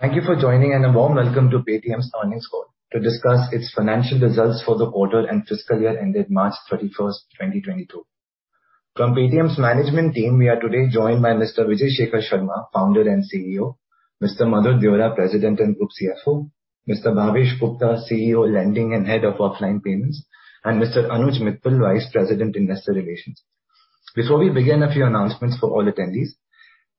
Thank you for joining, and a warm welcome to Paytm's earnings call to discuss its financial results for the quarter and fiscal year ended March 31, 2022. From Paytm's management team, we are today joined by Mr. Vijay Shekhar Sharma, founder and CEO, Mr. Madhur Deora, president and group CFO, Mr. Bhavesh Gupta, CEO Lending and Head of Offline Payments, and Mr. Anuj Mittal, Vice President Investor Relations. Before we begin, a few announcements for all attendees.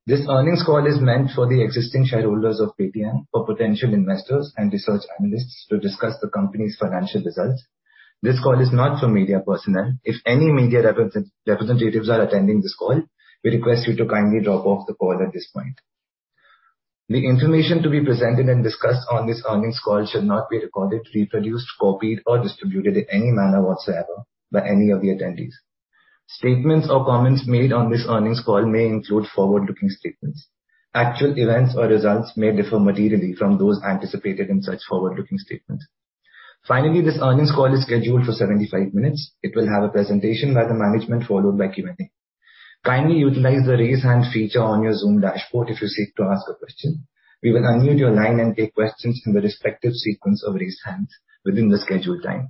This earnings call is meant for the existing shareholders of Paytm, for potential investors and research analysts to discuss the company's financial results. This call is not for media personnel. If any media representatives are attending this call, we request you to kindly drop off the call at this point. The information to be presented and discussed on this earnings call should not be recorded, reproduced, copied or distributed in any manner whatsoever by any of the attendees. Statements or comments made on this earnings call may include forward-looking statements. Actual events or results may differ materially from those anticipated in such forward-looking statements. Finally, this earnings call is scheduled for 75 minutes. It will have a presentation by the management, followed by Q&A. Kindly utilize the Raise Hand feature on your Zoom dashboard if you seek to ask a question. We will unmute your line and take questions in the respective sequence of raised hands within the scheduled time.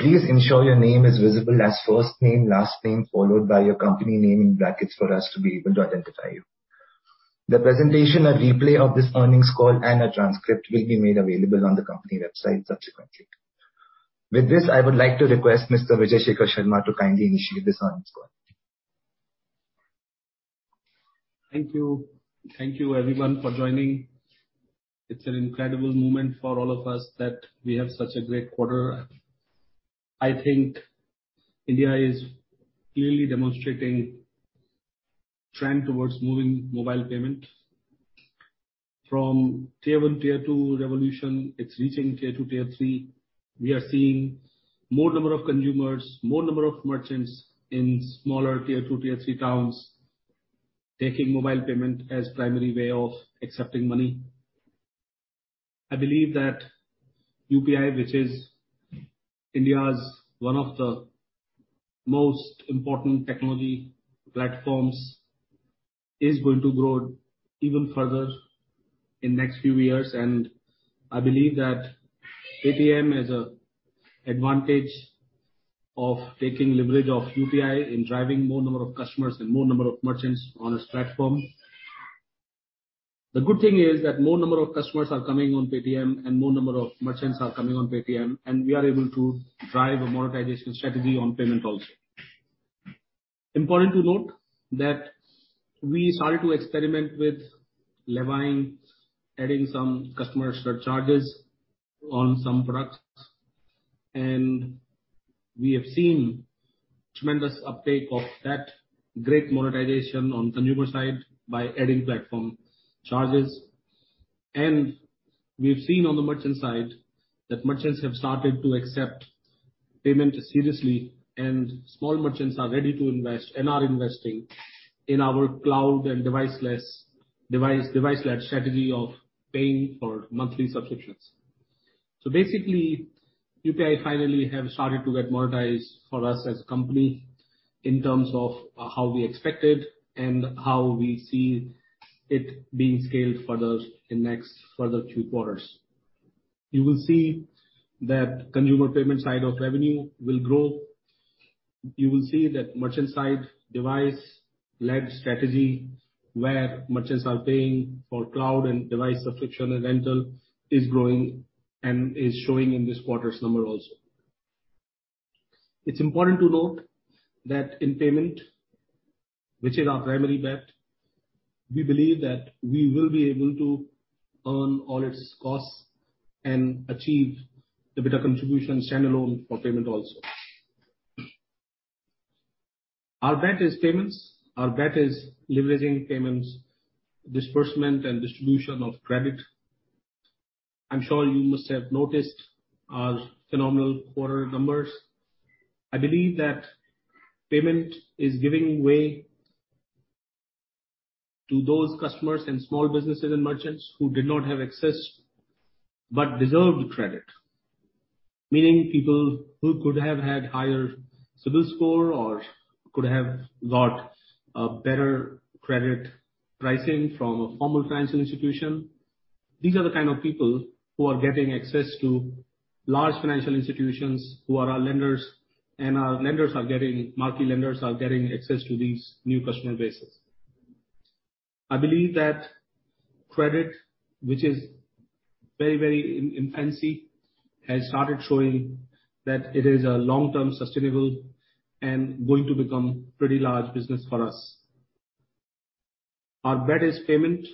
Please ensure your name is visible as first name, last name, followed by your company name in brackets for us to be able to identify you. The presentation and replay of this earnings call and a transcript will be made available on the company website subsequently. With this, I would like to request Mr. Vijay Shekhar Sharma to kindly initiate this earnings call. Thank you. Thank you everyone for joining. It's an incredible moment for all of us that we have such a great quarter. I think India is clearly demonstrating trend towards moving mobile payment from tier one, tier two revolution. It's reaching tier two, tier three. We are seeing more number of consumers, more number of merchants in smaller tier two, tier three towns taking mobile payment as primary way of accepting money. I believe that UPI, which is India's one of the most important technology platforms, is going to grow even further in next few years. I believe that Paytm has a advantage of taking leverage of UPI in driving more number of customers and more number of merchants on its platform. The good thing is that more number of customers are coming on Paytm and more number of merchants are coming on Paytm, and we are able to drive a monetization strategy on payment also. Important to note that we started to experiment with levying, adding some customer surcharges on some products, and we have seen tremendous uptake of that great monetization on consumer side by adding platform charges. We've seen on the merchant side that merchants have started to accept payment seriously, and small merchants are ready to invest and are investing in our cloud and device-led strategy of paying for monthly subscriptions. Basically, UPI finally have started to get monetized for us as company in terms of how we expected and how we see it being scaled further in next few quarters. You will see that consumer payment side of revenue will grow. You will see that merchant side device-led strategy where merchants are paying for cloud and device subscription and rental is growing and is showing in this quarter's numbers also. It's important to note that in payment, which is our primary bet, we believe that we will be able to earn all its costs and achieve EBITDA contribution standalone for payment also. Our bet is payments. Our bet is leveraging payments, disbursement and distribution of credit. I'm sure you must have noticed our phenomenal quarter numbers. I believe that payment is giving way to those customers and small businesses and merchants who did not have access, but deserved credit. Meaning people who could have had higher CIBIL score or could have got a better credit pricing from a formal financial institution. These are the kind of people who are getting access to large financial institutions who are our lenders, and our lenders are getting multi lenders are getting access to these new customer bases. I believe that credit, which is very, very in infancy, has started showing that it is a long-term sustainable and going to become pretty large business for us. Our bet is payment.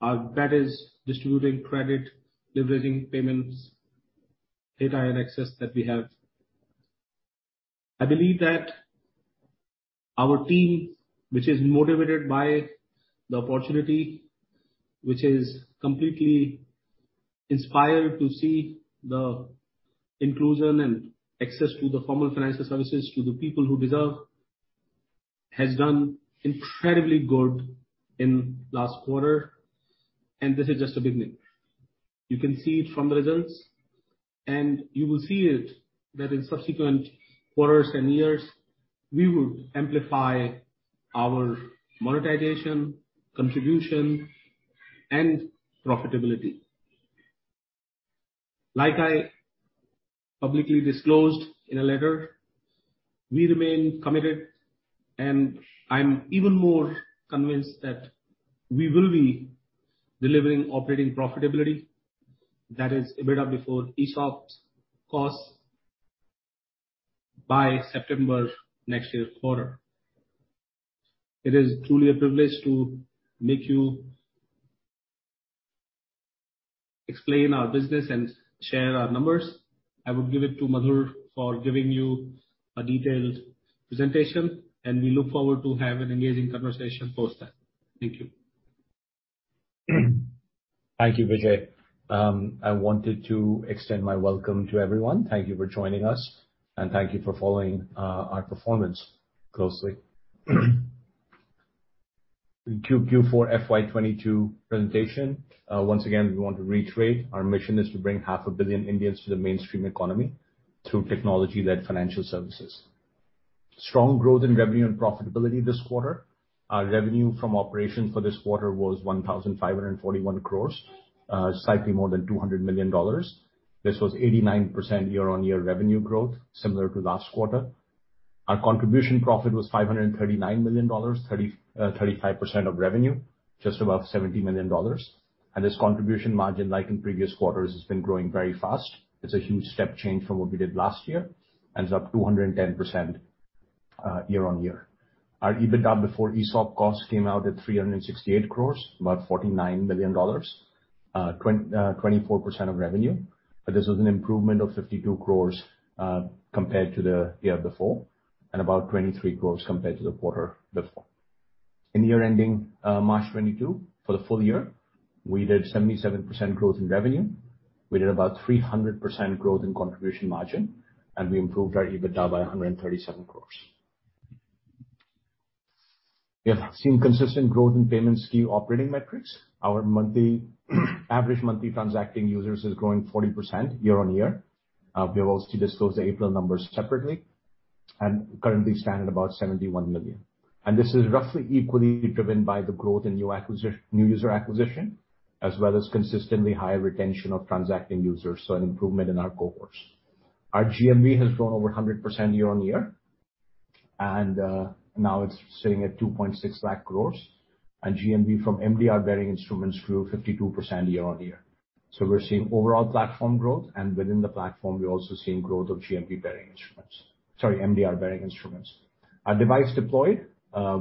Our bet is distributing credit, leveraging payments, data and access that we have. I believe that our team, which is motivated by the opportunity, which is completely inspired to see the inclusion and access to the formal financial services to the people who deserve, has done incredibly good in last quarter. This is just a beginning. You can see it from the results, and you will see it that in subsequent quarters and years, we will amplify our monetization, contribution, and profitability. Like I publicly disclosed in a letter, we remain committed, and I'm even more convinced that we will be delivering operating profitability that is EBITDA before ESOP costs by September next year quarter. It is truly a privilege to explain our business and share our numbers. I would give it to Madhur for giving you a detailed presentation, and we look forward to have an engaging conversation post that. Thank you. Thank you, Vijay. I wanted to extend my welcome to everyone. Thank you for joining us, and thank you for following our performance closely. Q4 FY 2022 presentation. Once again, we want to reiterate, our mission is to bring half a billion Indians to the mainstream economy through technology-led financial services. Strong growth in revenue and profitability this quarter. Our revenue from operations for this quarter was 1,541 crores, slightly more than $200 million. This was 89% year-on-year revenue growth, similar to last quarter. Our contribution profit was INR 539 crores, 35% of revenue, just above $70 million. This contribution margin, like in previous quarters, has been growing very fast. It's a huge step change from what we did last year and is up 210%, year-on-year. Our EBITDA before ESOP costs came out at 368 crore, about $49 million, 24% of revenue. This was an improvement of 52 crore, compared to the year before, and about 23 crore compared to the quarter before. In the year ending March 2022, for the full year, we did 77% growth in revenue. We did about 300% growth in contribution margin, and we improved our EBITDA by 137 crore. We have seen consistent growth in payment scheme operating metrics. Our average monthly transacting users is growing 40% year-on-year. We will also disclose the April numbers separately and currently stand at about 71 million. This is roughly equally driven by the growth in new user acquisition, as well as consistently high retention of transacting users, so an improvement in our cohorts. Our GMV has grown over 100% year-on-year, and now it's sitting at 2.6 lakh crores. GMV from MDR bearing instruments grew 52% year-on-year. We're seeing overall platform growth, and within the platform, we're also seeing growth of MDR bearing instruments. Sorry, MDR bearing instruments. Our device deployed,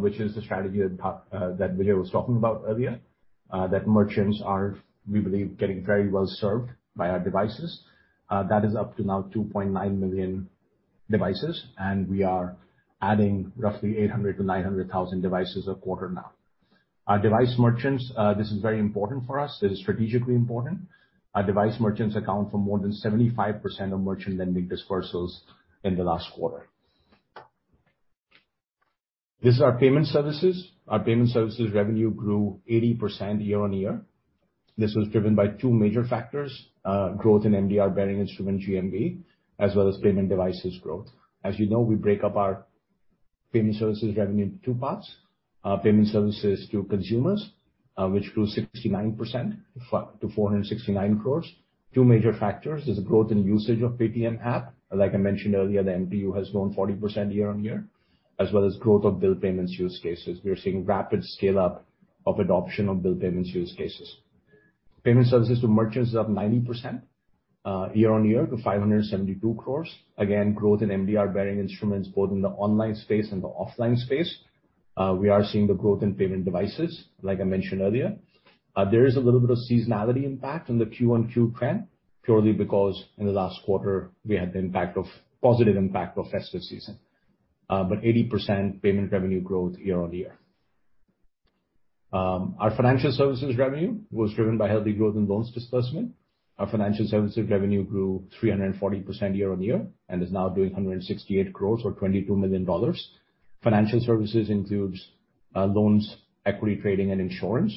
which is the strategy that Vijay was talking about earlier, that merchants are, we believe, getting very well served by our devices. That is up to now 2.9 million devices, and we are adding roughly 800-900 thousand devices a quarter now. Our device merchants, this is very important for us. It is strategically important. Our device merchants account for more than 75% of merchant lending disbursements in the last quarter. This is our payment services. Our payment services revenue grew 80% year-on-year. This was driven by two major factors, growth in MDR bearing instrument GMV, as well as payment devices growth. As you know, we break up our payment services revenue in two parts. Payment services to consumers, which grew 69% to 469 crore. Two major factors is the growth in usage of Paytm app. Like I mentioned earlier, the MTU has grown 40% year-on-year, as well as growth of bill payments use cases. We are seeing rapid scale-up of adoption of bill payments use cases. Payment services to merchants is up 90% year-on-year to 572 crore. Again, growth in MDR bearing instruments both in the online space and the offline space. We are seeing the growth in payment devices, like I mentioned earlier. There is a little bit of seasonality impact in the Q1 Q2 trend, purely because in the last quarter we had a positive impact of festive season. 80% payment revenue growth year-on-year. Our financial services revenue was driven by healthy growth in loans disbursement. Our financial services revenue grew 340% year-on-year and is now doing 168 crore or $22 million. Financial services includes loans, equity trading and insurance.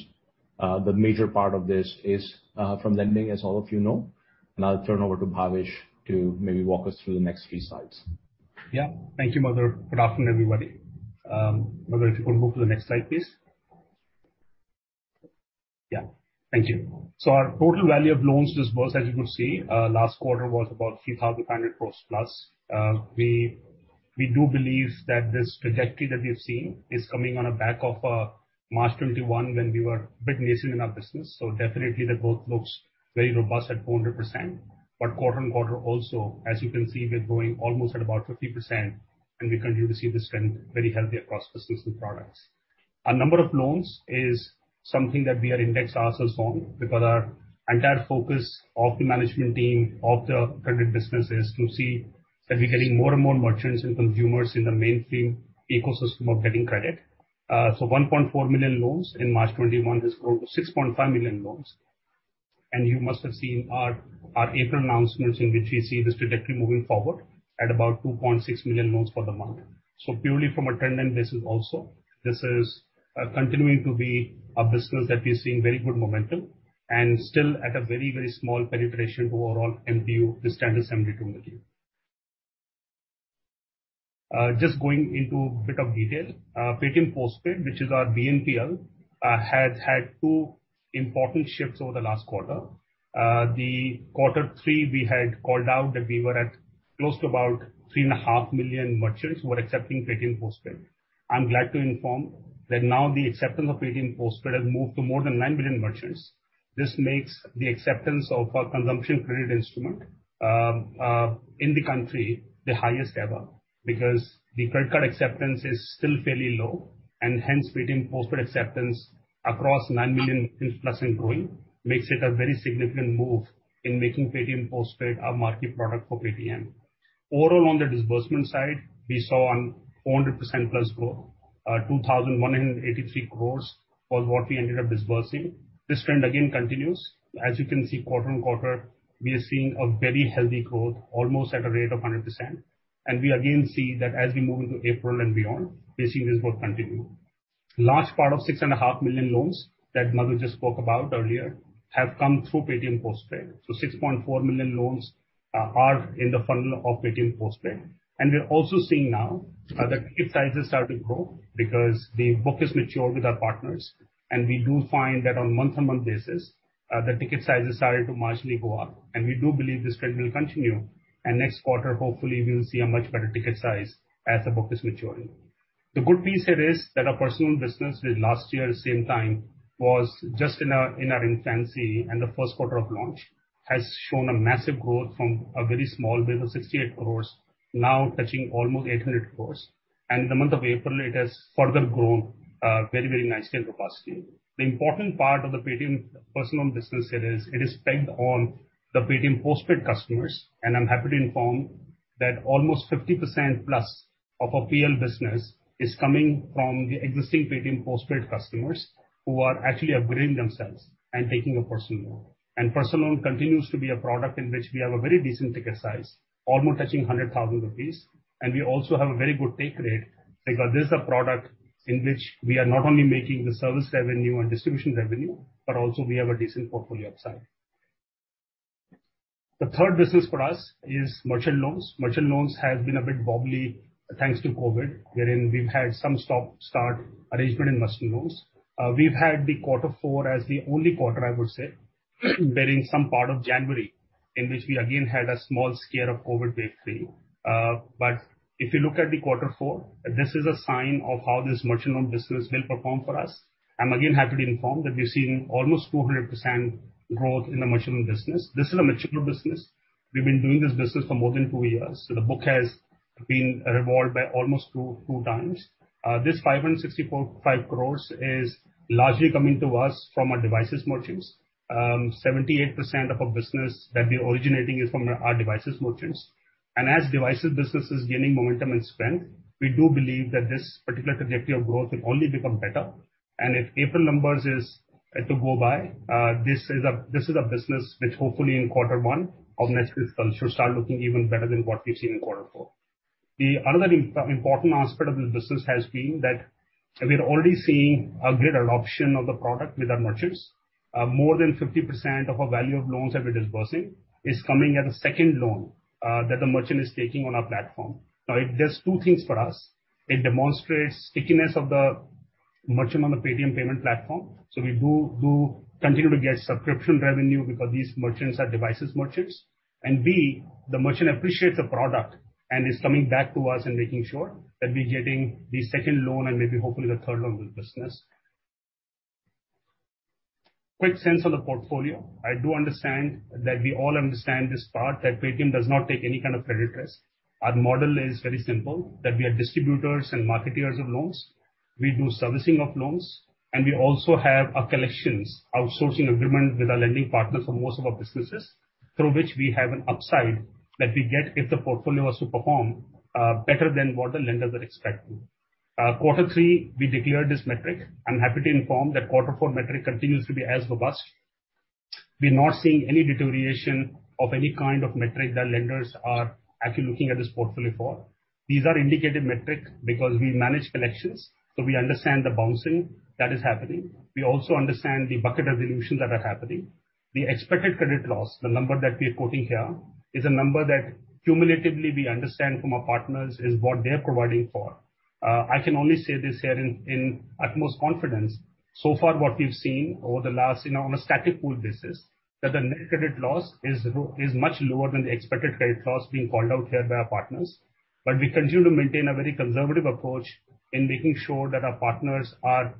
The major part of this is from lending, as all of you know. I'll turn over to Bhavesh to maybe walk us through the next few slides. Yeah. Thank you, Madhur. Good afternoon, everybody. Madhur, if you could move to the next slide, please. Yeah, thank you. Our total value of loans disbursed, as you could see, last quarter was about 3,100 crores+. We do believe that this trajectory that we've seen is coming on the back of March 2021 when we were a bit nascent in our business. Definitely the growth looks very robust at 400%. Quarter-on-quarter also, as you can see, we're growing almost at about 50%, and we continue to see the strength very healthy across the simple products. Our number of loans is something that we are indexed ourselves on because our entire focus of the management team, of the credit business is to see that we're getting more and more merchants and consumers in the mainstream ecosystem of getting credit. So 1.4 million loans in March 2021 has grown to 6.5 million loans. You must have seen our April announcements in which we see this trajectory moving forward at about 2.6 million loans for the month. Purely from a trend and basis also, this is continuing to be a business that we're seeing very good momentum and still at a very, very small penetration overall in the underserved community. Just going into a bit of detail, Paytm Postpaid, which is our BNPL, has had two important shifts over the last quarter. In quarter three, we had called out that we were at close to about 3.5 million merchants who are accepting Paytm Postpaid. I'm glad to inform that now the acceptance of Paytm Postpaid has moved to more than 9 million merchants. This makes the acceptance of our consumption credit instrument in the country the highest ever, because the credit card acceptance is still fairly low, and hence Paytm Postpaid acceptance across 9 million plus and growing makes it a very significant move in making Paytm Postpaid a market product for Paytm. Overall, on the disbursement side, we saw 400%+ growth. 2,183 crores was what we ended up disbursing. This trend again continues. As you can see quarter-on-quarter, we are seeing a very healthy growth, almost at a rate of 100%. We again see that as we move into April and beyond, we're seeing this growth continue. Large part of 6.5 million loans that Madhur just spoke about earlier have come through Paytm Postpaid. 6.4 million loans are in the funnel of Paytm Postpaid. We're also seeing now the ticket sizes start to grow because the book is mature with our partners, and we do find that on month-on-month basis the ticket size is starting to marginally go up. We do believe this trend will continue. Next quarter, hopefully we'll see a much better ticket size as the book is maturing. The good piece here is that our personal business with last year same time was just in our infancy, and the Q1 of launch has shown a massive growth from a very small base of 68 crores, now touching almost 800 crores. In the month of April, it has further grown very, very nicely in capacity. The important part of the Paytm personal business here is, it is pegged on the Paytm Postpaid customers, and I'm happy to inform that almost 50% plus of our PL business is coming from the existing Paytm Postpaid customers who are actually upgrading themselves and taking a personal loan. Personal loan continues to be a product in which we have a very decent ticket size, almost touching 100,000 rupees. We also have a very good take rate because this is a product in which we are not only making the service revenue and distribution revenue, but also we have a decent portfolio upside. The third business for us is merchant loans. Merchant loans have been a bit wobbly, thanks to COVID, wherein we've had some stop-start arrangement in merchant loans. We've had the quarter four as the only quarter, I would say, wherein some part of January, in which we again had a small scare of COVID wave three. But if you look at the quarter four, this is a sign of how this merchant loan business will perform for us. I'm again happy to inform that we're seeing almost 200% growth in the merchant loan business. This is a mature business. We've been doing this business for more than two years. The book has been revolved by almost two times. This 564.5 crore is largely coming to us from our devices merchants. 78% of our business that we're originating is from our devices merchants. As devices business is gaining momentum and strength, we do believe that this particular trajectory of growth will only become better. If April numbers are to go by, this is a business which hopefully in quarter one of next fiscal should start looking even better than what we've seen in quarter four. Another important aspect of this business has been that we're already seeing a great adoption of the product with our merchants. More than 50% of our value of loans that we're disbursing is coming as a second loan, that the merchant is taking on our platform. It does two things for us. It demonstrates stickiness of the merchant on the Paytm payment platform. We do continue to get subscription revenue because these merchants are devices merchants. B, the merchant appreciates the product and is coming back to us and making sure that we're getting the second loan and maybe hopefully the third loan with business. Quick sense on the portfolio. I do understand that we all understand this part, that Paytm does not take any kind of credit risk. Our model is very simple, that we are distributors and marketers of loans. We do servicing of loans, and we also have a collections outsourcing agreement with our lending partners for most of our businesses, through which we have an upside that we get if the portfolio was to perform better than what the lenders are expecting. Q3, we declared this metric. I'm happy to inform that quarter four metric continues to be as robust. We're not seeing any deterioration of any kind of metric that lenders are actually looking at this portfolio for. These are indicative metrics because we manage collections, so we understand the bouncing that is happening. We also understand the bucket resolution that are happening. The expected credit loss, the number that we're quoting here, is a number that cumulatively we understand from our partners is what they're providing for. I can only say this here in utmost confidence. So far what we've seen over the last, you know, on a static pool basis, that the net credit loss is much lower than the expected credit loss being called out here by our partners. We continue to maintain a very conservative approach in making sure that our partners are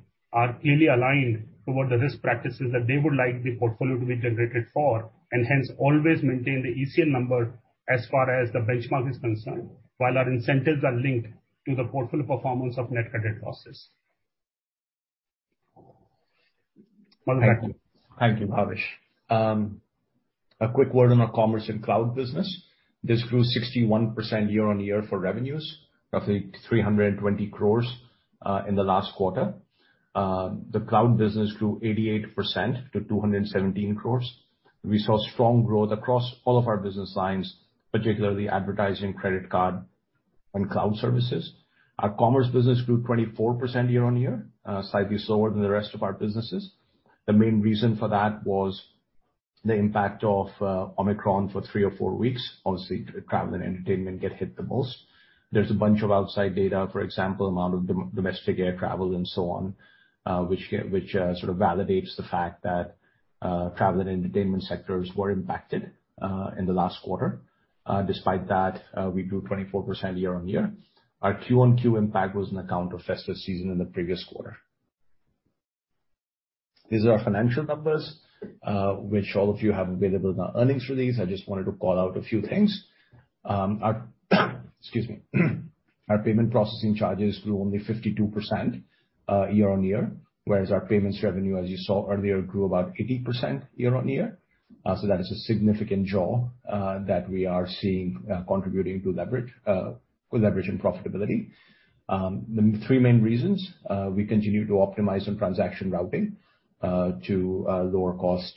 clearly aligned toward the risk practices that they would like the portfolio to be generated for, and hence always maintain the ECL number as far as the benchmark is concerned, while our incentives are linked to the portfolio performance of net credit losses. Thank you. Thank you, Bhavesh. A quick word on our commerce and cloud business. This grew 61% year-on-year for revenues of 320 crore in the last quarter. The cloud business grew 88% to 217 crore. We saw strong growth across all of our business lines, particularly advertising, credit card, and cloud services. Our commerce business grew 24% year-on-year, slightly slower than the rest of our businesses. The main reason for that was the impact of Omicron for 3 or 4 weeks. Obviously, travel and entertainment get hit the most. There's a bunch of outside data, for example, amount of domestic air travel and so on, which sort of validates the fact that travel and entertainment sectors were impacted in the last quarter. Despite that, we grew 24% year-on-year. Our Q-on-Q impact was on account of festive season in the previous quarter. These are our financial numbers, which all of you have available in our earnings release. I just wanted to call out a few things. Our payment processing charges grew only 52% year-on-year, whereas our payments revenue, as you saw earlier, grew about 80% year-on-year. That is a significant gap that we are seeing contributing to leverage, good leverage and profitability. The three main reasons we continue to optimize on transaction routing to lower cost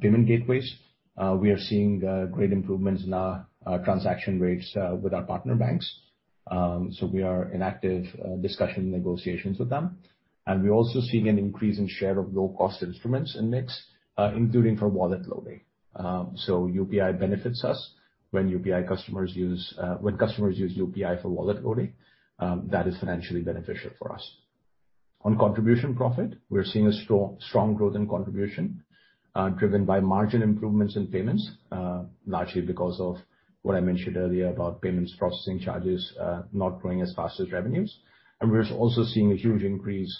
payment gateways. We are seeing great improvements in our transaction rates with our partner banks. We are in active discussion and negotiations with them. We're also seeing an increase in share of low-cost instruments in mix, including for wallet loading. UPI benefits us. When customers use UPI for wallet loading, that is financially beneficial for us. On contribution margin, we're seeing a strong growth in contribution, driven by margin improvements in payments, largely because of what I mentioned earlier about payments processing charges, not growing as fast as revenues. We're also seeing a huge increase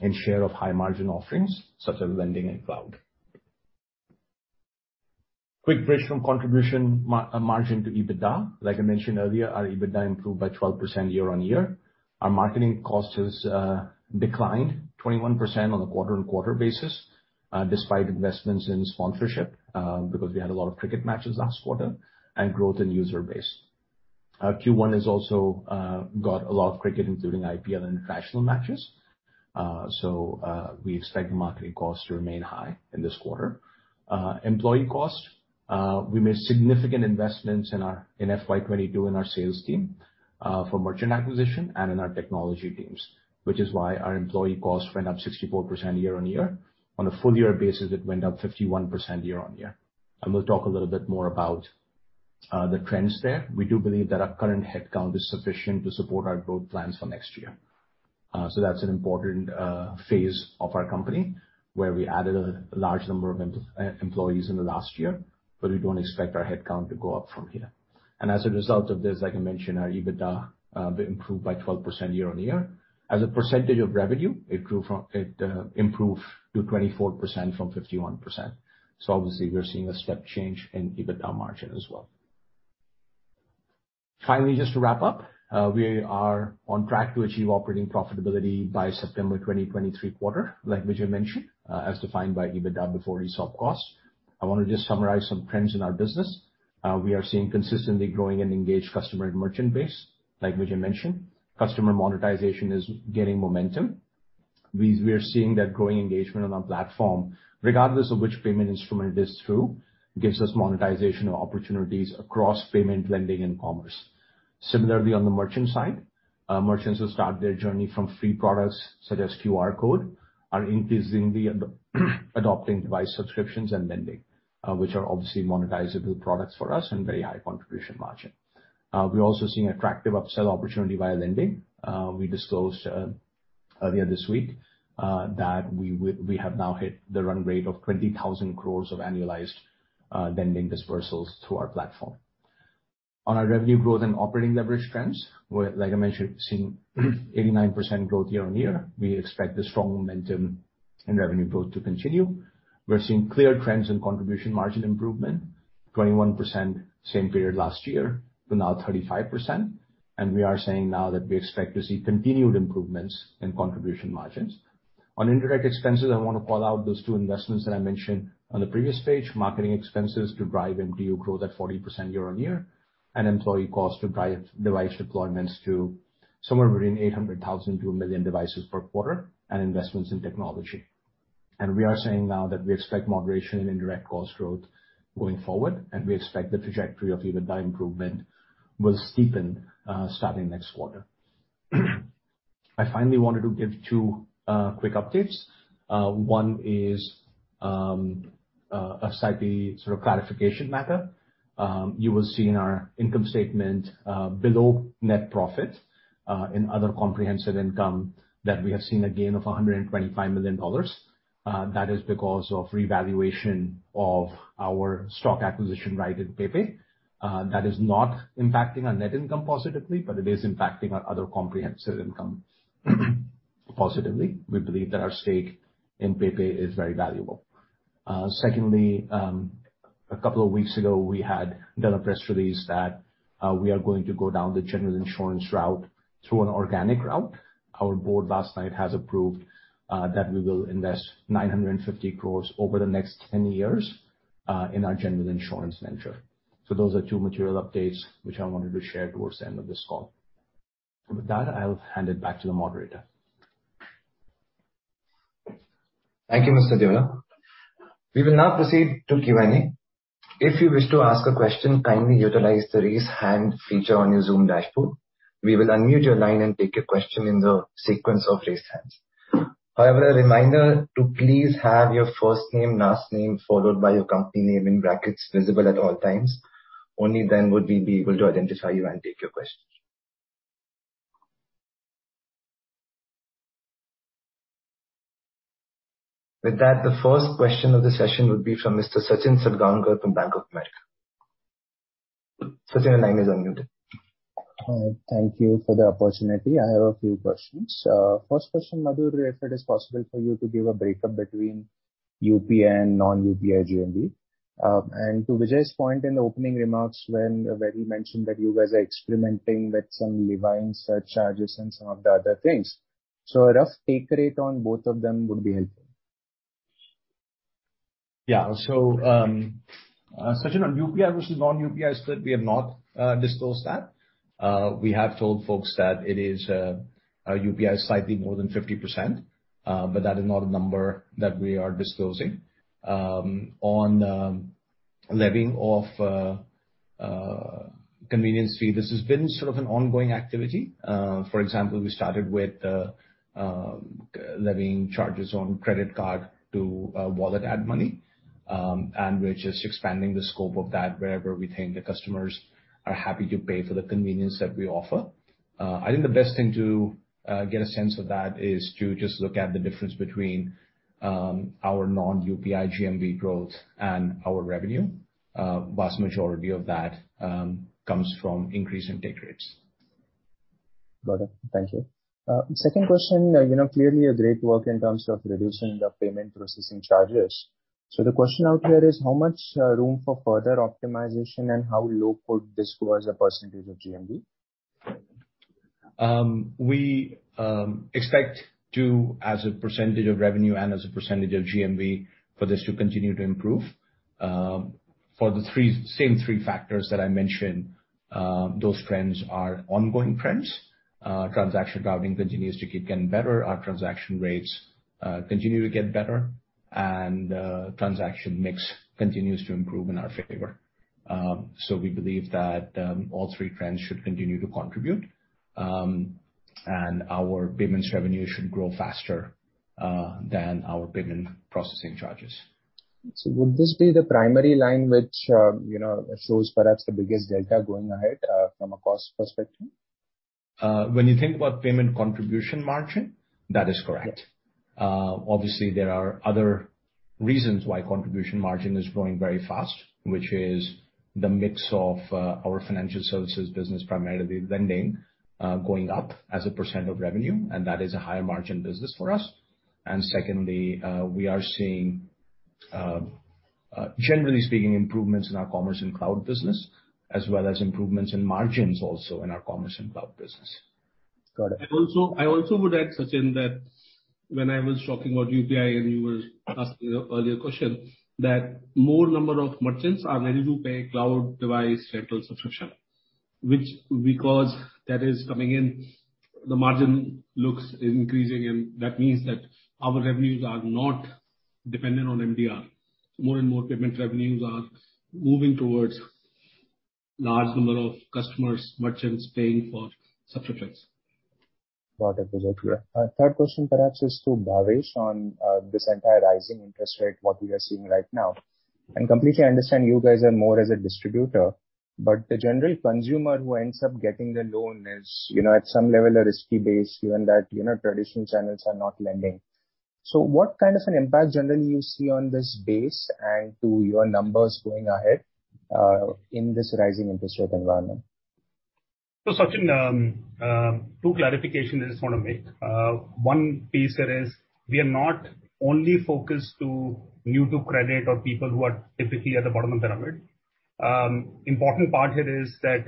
in share of high-margin offerings such as lending and cloud. Quick bridge from contribution margin to EBITDA. Like I mentioned earlier, our EBITDA improved by 12% year-on-year. Our marketing cost has declined 21% on a quarter-on-quarter basis, despite investments in sponsorship, because we had a lot of cricket matches last quarter and growth in user base. Our Q1 has also got a lot of cricket, including IPL and international matches. We expect marketing costs to remain high in this quarter. Employee cost, we made significant investments in our, in FY 2022 in our sales team, for merchant acquisition and in our technology teams, which is why our employee costs went up 64% year-on-year. On a full year basis, it went up 51% year-on-year. We'll talk a little bit more about the trends there. We do believe that our current headcount is sufficient to support our growth plans for next year. That's an important phase of our company, where we added a large number of employees in the last year, but we don't expect our headcount to go up from here. As a result of this, like I mentioned, our EBITDA improved by 12% year-on-year. As a percentage of revenue, it improved to 24% from 51%. Obviously, we are seeing a step change in EBITDA margin as well. Finally, just to wrap up, we are on track to achieve operating profitability by September 2023 quarter, like Vijay mentioned, as defined by EBITDA before ESOP costs. I wanna just summarize some trends in our business. We are seeing consistently growing and engaged customer and merchant base, like Vijay mentioned. Customer monetization is gaining momentum. We are seeing that growing engagement on our platform, regardless of which payment instrument it is through, gives us monetization opportunities across payment, lending, and commerce. Similarly, on the merchant side, merchants who start their journey from free products, such as QR code, are increasingly adopting device subscriptions and lending, which are obviously monetizable products for us and very high contribution margin. We're also seeing attractive upsell opportunity via lending. We disclosed earlier this week that we have now hit the run rate of 20,000 crore of annualized lending dispersals through our platform. On our revenue growth and operating leverage trends, we're, like I mentioned, seeing 89% growth year-on-year. We expect the strong momentum and revenue growth to continue. We're seeing clear trends in contribution margin improvement, 21% same period last year to now 35%, and we are saying now that we expect to see continued improvements in contribution margins. On indirect expenses, I wanna call out those two investments that I mentioned on the previous page. Marketing expenses to drive MTU growth at 40% year-over-year, and employee costs to drive device deployments to somewhere between 800,000-1 million devices per quarter, and investments in technology. We are saying now that we expect moderation in indirect cost growth going forward, and we expect the trajectory of EBITDA improvement will steepen starting next quarter. I finally wanted to give two quick updates. One is a slightly sort of clarification matter. You will see in our income statement, below net profit, in other comprehensive income, that we have seen a gain of $125 million. That is because of revaluation of our stock acquisition right in PayPay. That is not impacting our net income positively, but it is impacting our other comprehensive income positively. We believe that our stake in PayPay is very valuable. Secondly, a couple of weeks ago, we had done a press release that we are going to go down the general insurance route through an organic route. Our board last night has approved that we will invest 950 crores over the next 10 years in our general insurance venture. Those are two material updates which I wanted to share towards the end of this call. With that, I'll hand it back to the moderator. Thank you, Mr. Madhur Deora. We will now proceed to Q&A. If you wish to ask a question, kindly utilize the Raise Hand feature on your Zoom dashboard. We will unmute your line and take your question in the sequence of raised hands. However, a reminder to please have your first name, last name, followed by your company name in brackets visible at all times. Only then will we be able to identify you and take your questions. With that, the first question of the session would be from Mr. Sachin Salgaonkar from Bank of America. Sachin, your line is unmuted. Thank you for the opportunity. I have a few questions. First question, Madhur, if it is possible for you to give a breakdown between UPI and non-UPI GMV. To Vijay's point in the opening remarks when he mentioned that you guys are experimenting with some levying surcharges and some of the other things. A rough take rate on both of them would be helpful. Yeah. Sachin, on UPI versus non-UPI split, we have not disclosed that. We have told folks that it is UPI, slightly more than 50%, but that is not a number that we are disclosing. On levying of convenience fee, this has been sort of an ongoing activity. For example, we started with levying charges on credit card to wallet add money, and we're just expanding the scope of that wherever we think the customers are happy to pay for the convenience that we offer. I think the best thing to get a sense of that is to just look at the difference between our non-UPI GMV growth and our revenue. Vast majority of that comes from increase in take rates. Got it. Thank you. Second question, you know, clearly a great work in terms of reducing the payment processing charges. The question out there is how much room for further optimization and how low could this go as a percentage of GMV? We expect to, as a percentage of revenue and as a percentage of GMV, for this to continue to improve. For the same three factors that I mentioned, those trends are ongoing trends. Transaction routing continues to keep getting better. Our transaction rates continue to get better, and transaction mix continues to improve in our favor. We believe that all three trends should continue to contribute. Our payments revenue should grow faster than our payment processing charges. Would this be the primary line which, you know, shows perhaps the biggest delta going ahead, from a cost perspective? When you think about payment contribution margin, that is correct. Obviously there are other reasons why contribution margin is growing very fast, which is the mix of, our financial services business, primarily lending, going up as a percent of revenue, and that is a higher margin business for us. Secondly, we are seeing, generally speaking, improvements in our commerce and cloud business, as well as improvements in margins also in our commerce and cloud business. Got it. I also would add, Sachin, that when I was talking about UPI and you were asking your earlier question, that more number of merchants are ready to pay Soundbox rental subscription, which, because that is coming in, the margin looks increasing and that means that our revenues are not dependent on MDR. More and more payment revenues are moving towards large number of customers, merchants paying for subscriptions. Got it, Vijay. Third question perhaps is to Bhavesh on this entire rising interest rate, what we are seeing right now. I completely understand you guys are more as a distributor, but the general consumer who ends up getting the loan is, you know, at some level a risky base, given that, you know, traditional channels are not lending. What kind of an impact generally you see on this base and to your numbers going ahead in this rising interest rate environment? Sachin, two clarifications I just wanna make. One piece here is we are not only focused to new to credit or people who are typically at the bottom of the pyramid. Important part here is that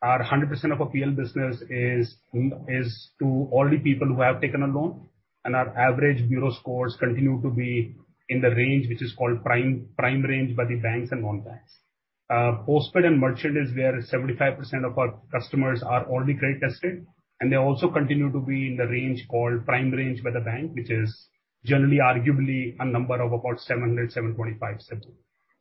our 100% of our PL business is to all the people who have taken a loan, and our average bureau scores continue to be in the range which is called prime range by the banks and non-banks. Postpaid and merchant is where 75% of our customers are already credit tested, and they also continue to be in the range called prime range by the bank, which is generally arguably a number of about 700, 725, 7.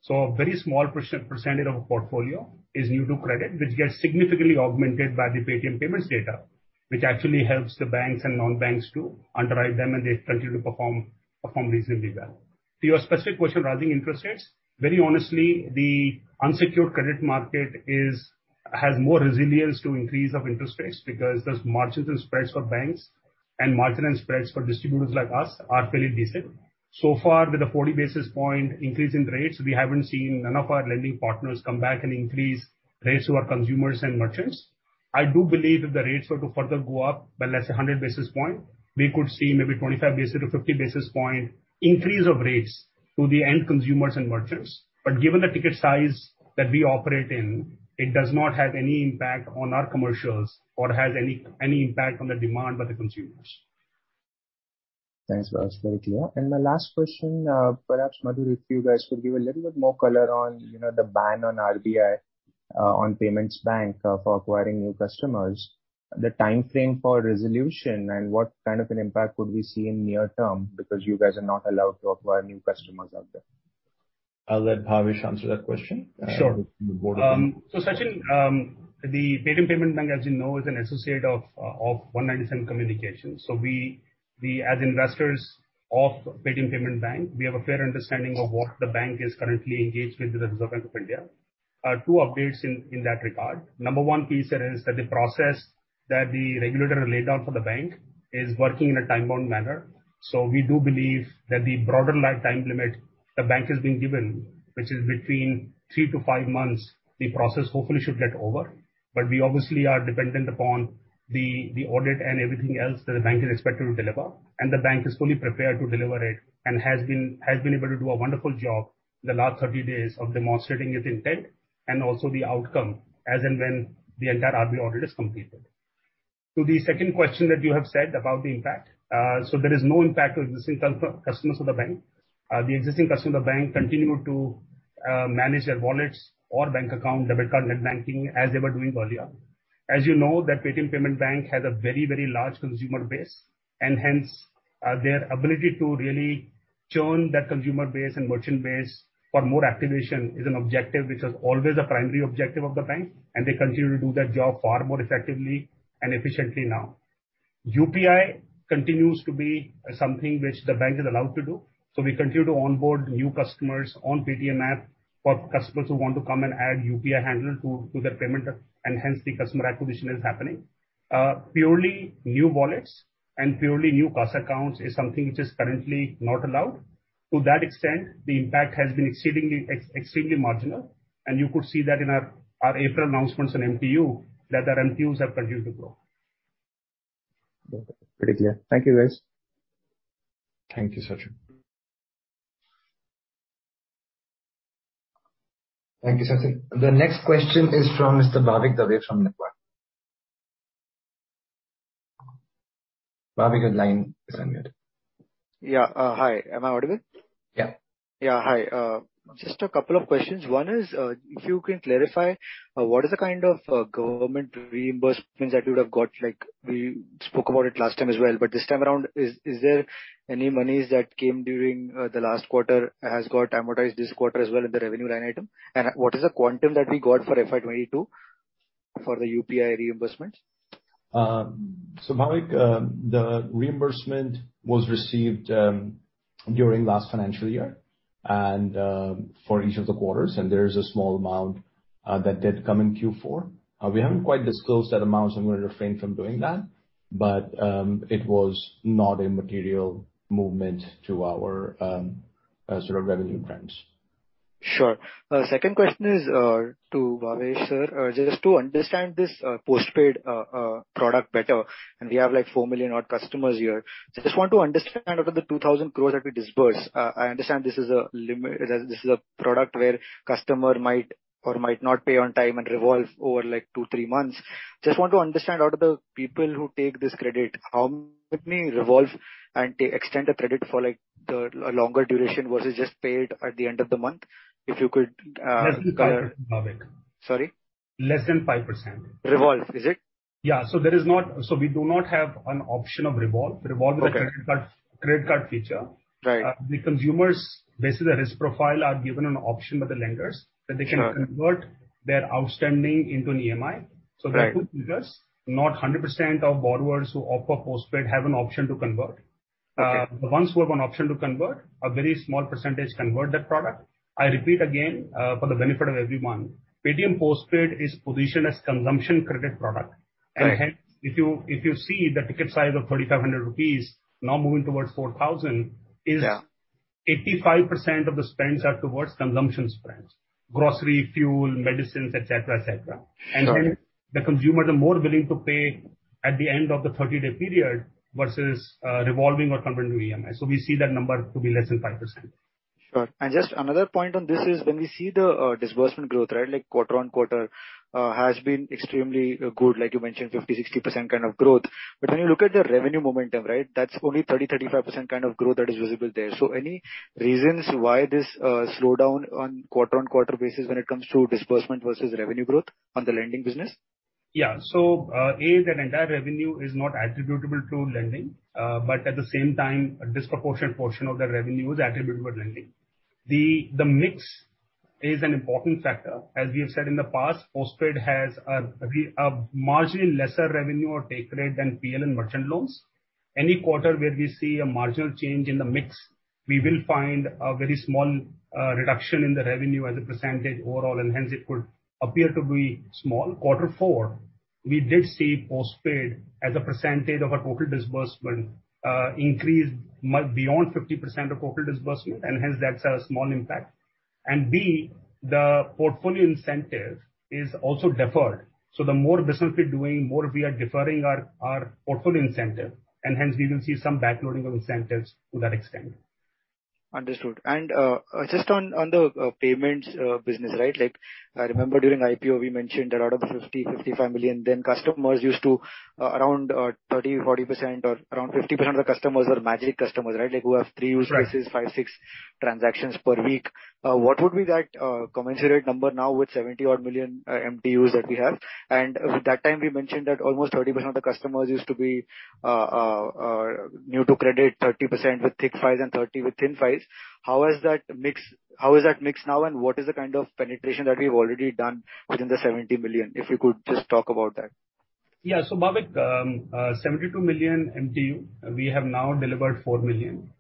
A very small percentage of our portfolio is new to credit, which gets significantly augmented by the Paytm payments data, which actually helps the banks and non-banks to underwrite them, and they continue to perform reasonably well. To your specific question, rising interest rates, very honestly, the unsecured credit market has more resilience to increase of interest rates because those margins and spreads for banks and margin and spreads for distributors like us are fairly decent. So far, with a 40 basis point increase in rates, we haven't seen none of our lending partners come back and increase rates to our consumers and merchants. I do believe that the rates are to further go up by less than 100 basis point. We could see maybe 25-50 basis point increase of rates to the end consumers and merchants. Given the ticket size that we operate in, it does not have any impact on our commercials or has any impact on the demand by the consumers. Thanks. That's very clear. My last question, perhaps, Madhur, if you guys could give a little bit more color on, you know, the ban by RBI on Paytm Payments Bank for acquiring new customers. The timeframe for resolution and what kind of an impact would we see in near term because you guys are not allowed to acquire new customers out there? I'll let Bhavesh answer that question. Sure. Sachin, the Paytm Payments Bank, as you know, is an associate of One97 Communications. We as investors of Paytm Payments Bank have a clear understanding of what the bank is currently engaged with the Reserve Bank of India. Two updates in that regard. Number one piece is that the process that the regulator laid out for the bank is working in a time-bound manner. We do believe that the broader lifetime limit the bank has been given, which is between three to five months, the process hopefully should get over. We obviously are dependent upon the audit and everything else that the bank is expected to deliver, and the bank is fully prepared to deliver it and has been able to do a wonderful job the last 30 days of demonstrating its intent and also the outcome as and when the entire RBI audit is completed. To the second question that you have said about the impact. There is no impact to existing customers of the bank. The existing customers of the bank continue to manage their wallets or bank account, debit card, net banking as they were doing earlier. As you know, that Paytm Payments Bank has a very, very large consumer base, and hence, their ability to really churn that consumer base and merchant base for more activation is an objective which is always a primary objective of the bank, and they continue to do that job far more effectively and efficiently now. UPI continues to be something which the bank is allowed to do, so we continue to onboard new customers on Paytm app for customers who want to come and add UPI handle to their payment, and hence the customer acquisition is happening. Purely new wallets and purely new CASA accounts is something which is currently not allowed. To that extent, the impact has been exceedingly extremely marginal, and you could see that in our April announcements on MTU that our MTU have continued to grow. Okay. Pretty clear. Thank you, guys. Thank you, Sachin. Thank you, Sachin. The next question is from Mr. Bhavik Dave from Nippon India. Bhavik, your line is unmuted. Yeah. Hi. Am I audible? Yeah. Yeah. Hi. Just a couple of questions. One is, if you can clarify, what is the kind of government reimbursements that you would have got? Like, we spoke about it last time as well, but this time around is there any monies that came during the last quarter has got amortized this quarter as well in the revenue line item? And what is the quantum that we got for FY 2022 for the UPI reimbursements? Bhavik, the reimbursement was received during last financial year and for each of the quarters and there is a small amount that did come in Q4. We haven't quite disclosed that amount, so I'm gonna refrain from doing that. It was not a material movement to our sort of revenue trends. Sure. Second question is to Bhavesh, sir. Just to understand this postpaid product better, and we have like 4 million-odd customers here. Just want to understand out of the 2,000 crores that we disperse. This is a product where customer might or might not pay on time and revolve over like two, three months. Just want to understand out of the people who take this credit, how many revolve and they extend the credit for like the longer duration versus just paid at the end of the month, if you could. Less than 5%, Bhavik. Sorry? Less than 5%. Revolve, is it? We do not have an option of revolve. Okay. Revolve is a credit card feature. Right. The consumers, based on their risk profile, are given an option by the lenders. Sure. That they can convert their outstanding into an EMI. Right. There are two features. Not 100% of borrowers who opt for postpaid have an option to convert. Okay. The ones who have an option to convert, a very small percentage convert that product. I repeat again, for the benefit of everyone. Paytm Postpaid is positioned as consumption credit product. Right. Hence, if you see the ticket size of 3,500 rupees now moving towards 4,000 is Yeah. 85% of the spends are towards consumption spends, grocery, fuel, medicines, et cetera, et cetera. Got it. Hence the consumers are more willing to pay at the end of the 30-day period versus revolving or converting to EMI. We see that number to be less than 5%. Sure. Just another point on this is when we see the disbursement growth, right? Like quarter-on-quarter has been extremely good, like you mentioned, 50%-60% kind of growth. But when you look at the revenue momentum, right? That's only 35% kind of growth that is visible there. Any reasons why this slowdown on quarter-on-quarter basis when it comes to disbursement versus revenue growth on the lending business? Yeah. A, that entire revenue is not attributable to lending, but at the same time, a disproportionate portion of the revenue is attributable to lending. The mix is an important factor. As we have said in the past, postpaid has a marginally lesser revenue or take rate than PL and merchant loans. Any quarter where we see a marginal change in the mix, we will find a very small reduction in the revenue as a percentage overall, and hence it could appear to be small. Quarter four, we did see postpaid as a percentage of our total disbursement increase much beyond 50% of total disbursement, and hence that's a small impact. B, the portfolio incentive is also deferred. The more business we're doing, more we are deferring our portfolio incentive, and hence we will see some back-loading of incentives to that extent. Understood. Just on the payments business, right? Like I remember during IPO we mentioned that out of the 55 million then customers used to around 30%-40% or around 50% of the customers are Magic customers, right? Like, who have three uses. Right. 5-6 transactions per week. What would be that commensurate number now with 70-odd million MTUs that we have? At that time you mentioned that almost 30% of the customers used to be new to credit, 30% with thick files and 30 with thin files. How is that mix, how is that mixed now, and what is the kind of penetration that we've already done within the 70 million? If you could just talk about that. Yeah. Bhavik, 72 million MTU, we have now delivered 4 million.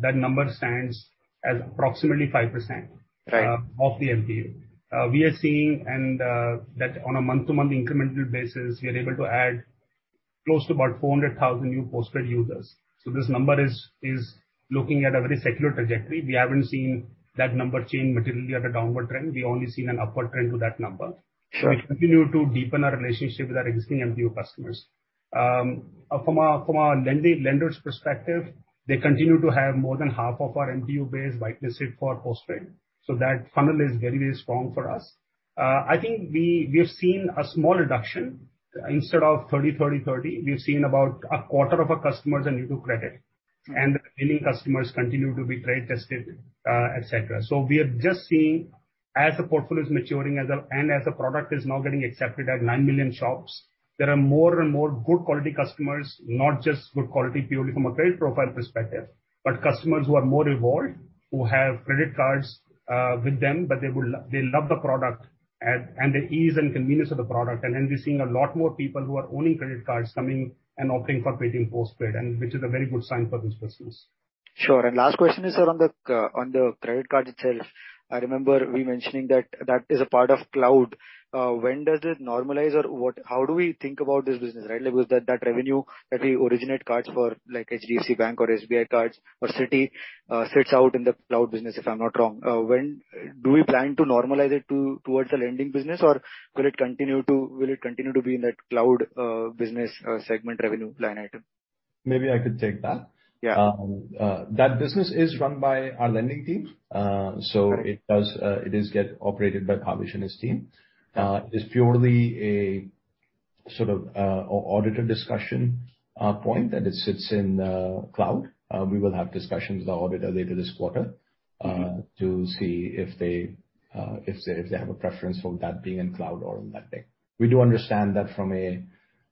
That number stands as approximately 5%. Right. of the MTU. We are seeing that on a month-to-month incremental basis, we are able to add close to about 400,000 new postpaid users. This number is looking at a very secular trajectory. We haven't seen that number change materially at a downward trend. We've only seen an upward trend to that number. Sure. We continue to deepen our relationship with our existing MTU customers. From a lender's perspective, they continue to have more than half of our MTU base whitelist it for postpaid. That funnel is very, very strong for us. I think we have seen a small reduction. Instead of 30, we've seen about a quarter of our customers are new to credit. Right. The remaining customers continue to be credit tested, et cetera. We are just seeing as the portfolio is maturing and as the product is now getting accepted at 9 million shops, there are more and more good quality customers, not just good quality purely from a credit profile perspective, but customers who are more evolved, who have credit cards with them, but they would—they love the product and the ease and convenience of the product. We're seeing a lot more people who are owning credit cards coming and opting for paying postpaid and which is a very good sign for this business. Sure. Last question is on the credit card itself. I remember we mentioned that that is a part of cloud. When does it normalize or what? How do we think about this business, right? Like, because that revenue that we originate cards for, like HDFC Bank or SBI Cards or Citi, sits within the cloud business, if I'm not wrong. When do we plan to normalize it towards the lending business, or will it continue to be in that cloud business segment revenue line item? Maybe I could take that. Yeah. That business is run by our lending team. It does get operated by Bhavesh and his team. It's purely a sort of auditor discussion point that it sits in the cloud. We will have discussions with the auditor later this quarter to see if they have a preference for that being in cloud or on-prem. We do understand that from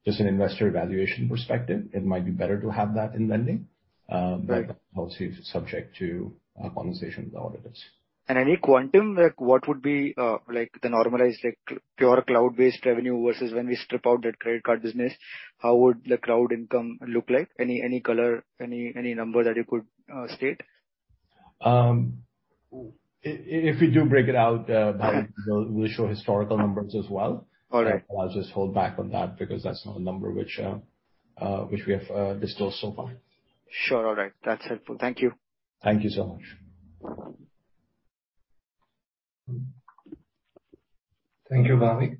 just an investor valuation perspective, it might be better to have that in lending. That's also subject to our conversation with the auditors. Any quantum, like what would be, like the normalized, like pure cloud-based revenue versus when we strip out that credit card business, how would the cloud income look like? Any color? Any number that you could state? If we do break it out, Bhavik, we'll show historical numbers as well. All right. I'll just hold back on that because that's not a number which we have disclosed so far. Sure. All right. That's helpful. Thank you. Thank you so much. Thank you, Bhavik.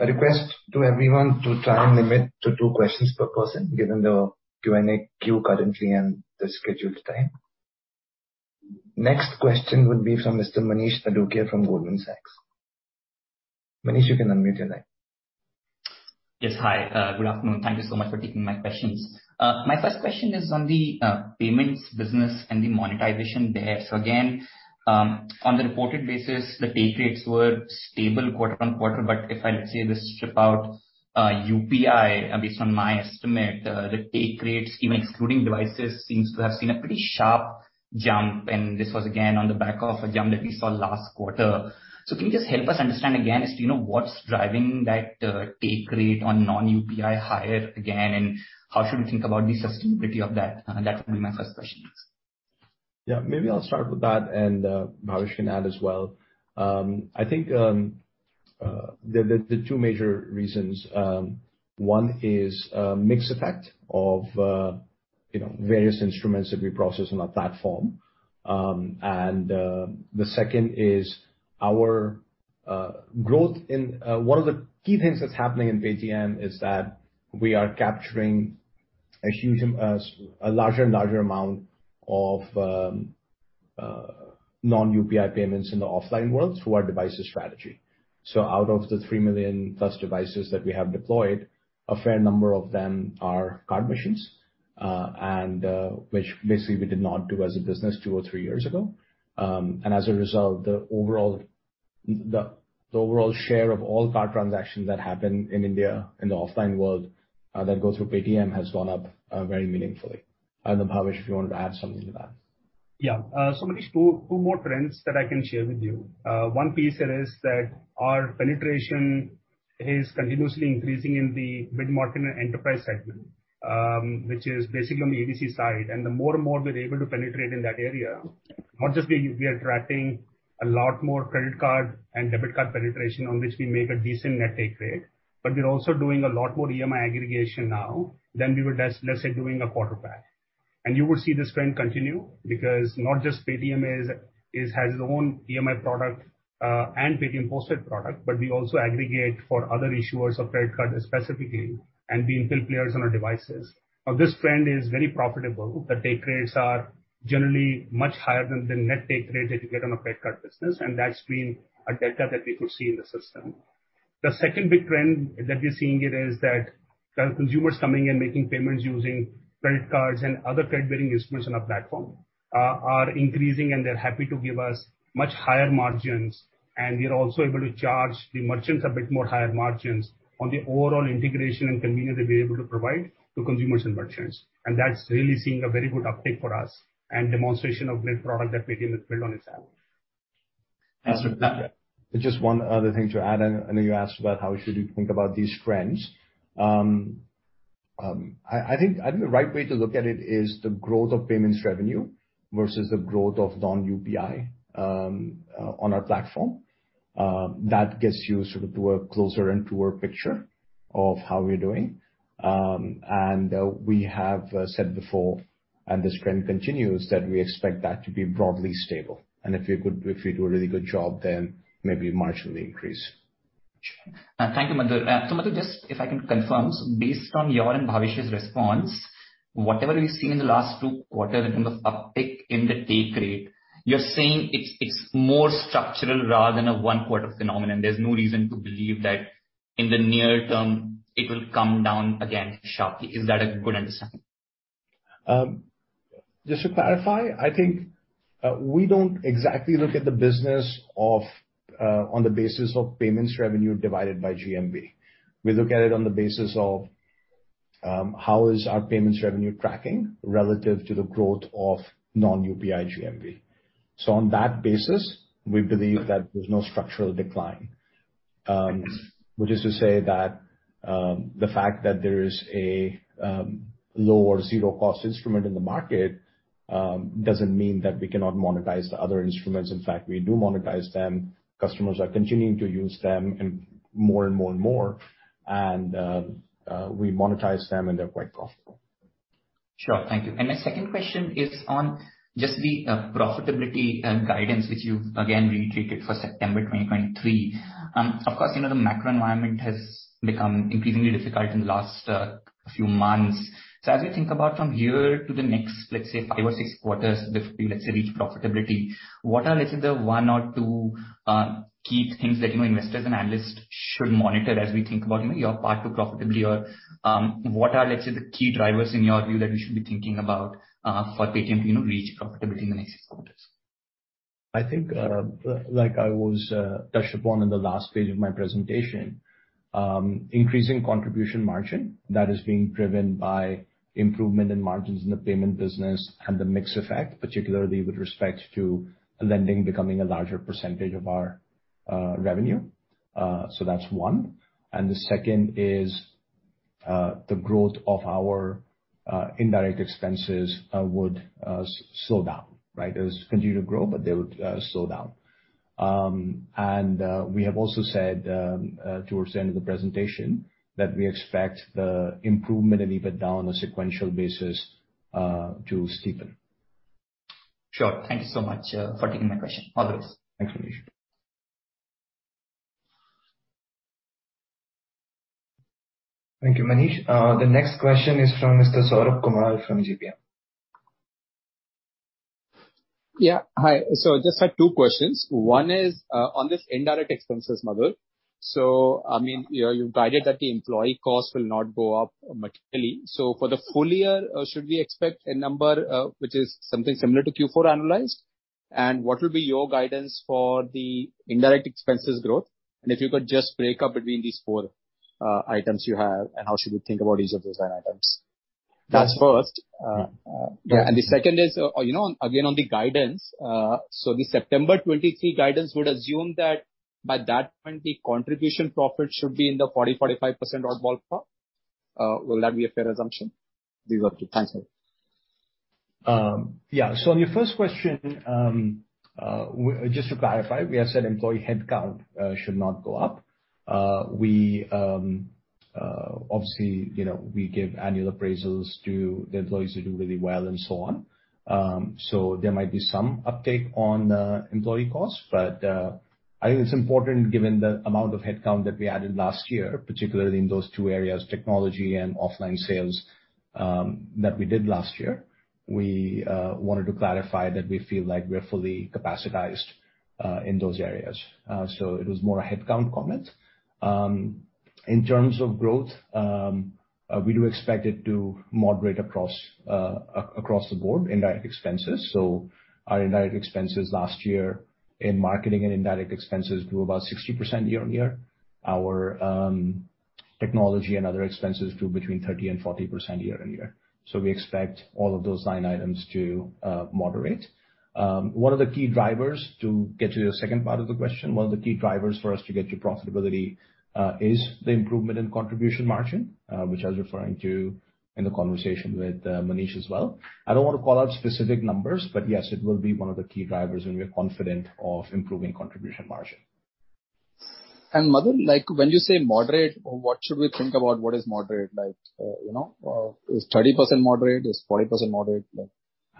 A request to everyone to try and limit to two questions per person, given the Q&A queue currently and the scheduled time. Next question would be from Mr. Manish Adukia from Goldman Sachs. Manish, you can unmute your line. Yes. Hi, good afternoon. Thank you so much for taking my questions. My first question is on the payments business and the monetization there. Again, on the reported basis, the take rates were stable quarter-over-quarter, but if I, let's say, just strip out UPI, based on my estimate, the take rates, even excluding devices, seems to have seen a pretty sharp jump, and this was again on the back of a jump that we saw last quarter. Can you just help us understand again as to, you know, what's driving that take rate on non-UPI higher again, and how should we think about the sustainability of that? That would be my first question. Yeah. Maybe I'll start with that and Bhavesh can add as well. I think the 2 major reasons, 1 is mix effect of you know various instruments that we process on our platform. And the second is our growth in one of the key things that's happening in Paytm is that we are capturing a huge a larger and larger amount of non-UPI payments in the offline world through our devices strategy. Out of the 3 million+ devices that we have deployed, a fair number of them are card machines, and which basically we did not do as a business 2 or 3 years ago. As a result, the overall share of all card transactions that happen in India in the offline world that go through Paytm has gone up very meaningfully. I don't know, Bhavesh, if you wanted to add something to that. Yeah. So Manish, two more trends that I can share with you. One piece that is that our penetration is continuously increasing in the mid-market and enterprise segment, which is basically on the B2B side. The more and more we're able to penetrate in that area, not just we are attracting a lot more credit card and debit card penetration on which we make a decent net take rate. We're also doing a lot more EMI aggregation now than we were a quarter back. You will see this trend continue because not just Paytm has its own EMI product, and Paytm Postpaid product, but we also aggregate for other issuers of credit card specifically and BNPL players on our devices. Now this trend is very profitable. The take rates are generally much higher than the net take rate that you get on a credit card business, and that's been a delta that we could see in the system. The second big trend that we're seeing it is that the consumers coming in, making payments using credit cards and other credit bearing instruments on our platform, are increasing and they're happy to give us much higher margins. We are also able to charge the merchants a bit more higher margins on the overall integration and convenience we're able to provide to consumers and merchants. That's really seeing a very good uptake for us and demonstration of net product that Paytm has built on its average. Just one other thing to add, and then you asked about how should you think about these trends. I think the right way to look at it is the growth of payments revenue versus the growth of non-UPI on our platform. That gets you sort of to a closer and truer picture of how we're doing. We have said before, and this trend continues, that we expect that to be broadly stable. If we do a really good job then maybe marginally increase. Thank you, Madhur. Madhur, just if I can confirm. Based on your and Bhavesh's response, whatever we've seen in the last Q2 in terms of uptick in the take rate, you're saying it's more structural rather than a Q2 phenomenon. There's no reason to believe that in the near term it will come down again sharply. Is that a good understanding? Just to clarify, I think we don't exactly look at the business on the basis of payments revenue divided by GMV. We look at it on the basis of how is our payments revenue tracking relative to the growth of non-UPI GMV. On that basis, we believe that there's no structural decline. Which is to say that the fact that there is a low or zero cost instrument in the market doesn't mean that we cannot monetize the other instruments. In fact, we do monetize them. Customers are continuing to use them and more and more and more. We monetize them and they're quite profitable. Sure. Thank you. My second question is on just the profitability and guidance which you again reiterated for September 2023. Of course, you know the macro environment has become increasingly difficult in the last few months. As we think about from here to the next, let's say Q5 or Q6 before we, let's say, reach profitability, what are, let's say the one or two key things that, you know, investors and analysts should monitor as we think about, you know, your path to profitability or what are, let's say, the key drivers in your view that we should be thinking about for Paytm to, you know, reach profitability in the next quarters? I think, like I was touched upon in the last page of my presentation, increasing contribution margin that is being driven by improvement in margins in the payment business and the mix effect, particularly with respect to lending becoming a larger percentage of our revenue. That's one. The second is, the growth of our indirect expenses would slow down, right? It would continue to grow, but they would slow down. We have also said, towards the end of the presentation that we expect the improvement in EBITDA on a sequential basis to steepen. Sure. Thank you so much, for taking my question. All the best. Thanks, Manish. Thank you, Manish. The next question is from Mr. Saurabh Kumar from JPM. Yeah. Hi. Just had two questions. One is on this indirect expenses model. I mean, you know, you've guided that the employee costs will not go up materially. For the full year, should we expect a number which is something similar to Q4 analyzed? And what will be your guidance for the indirect expenses growth? And if you could just break up between these four items you have and how should we think about each of those line items? That's first. Yeah. And the second is, you know, again, on the guidance, the September 2023 guidance would assume that by that point the contribution profit should be in the 40%-45% odd ballpark. Will that be a fair assumption? These are two. Thank you. On your first question, just to clarify, we have said employee headcount should not go up. We obviously, you know, we give annual appraisals to the employees who do really well and so on. There might be some uptake on employee costs but I think it's important given the amount of headcount that we added last year, particularly in those two areas, technology and offline sales, that we did last year. We wanted to clarify that we feel like we're fully capacitated in those areas. It was more a headcount comment. In terms of growth, we do expect it to moderate across the board, indirect expenses. Our indirect expenses last year in marketing and indirect expenses grew about 60% year-on-year. Our technology and other expenses grew between 30% and 40% year-on-year. We expect all of those line items to moderate. One of the key drivers, to get to the second part of the question, one of the key drivers for us to get to profitability, is the improvement in contribution margin, which I was referring to in the conversation with Manish as well. I don't wanna call out specific numbers, but yes, it will be one of the key drivers, and we are confident of improving contribution margin. Madhu, like, when you say moderate, what should we think about what is moderate? Like, you know, is 30% moderate? Is 40% moderate? Like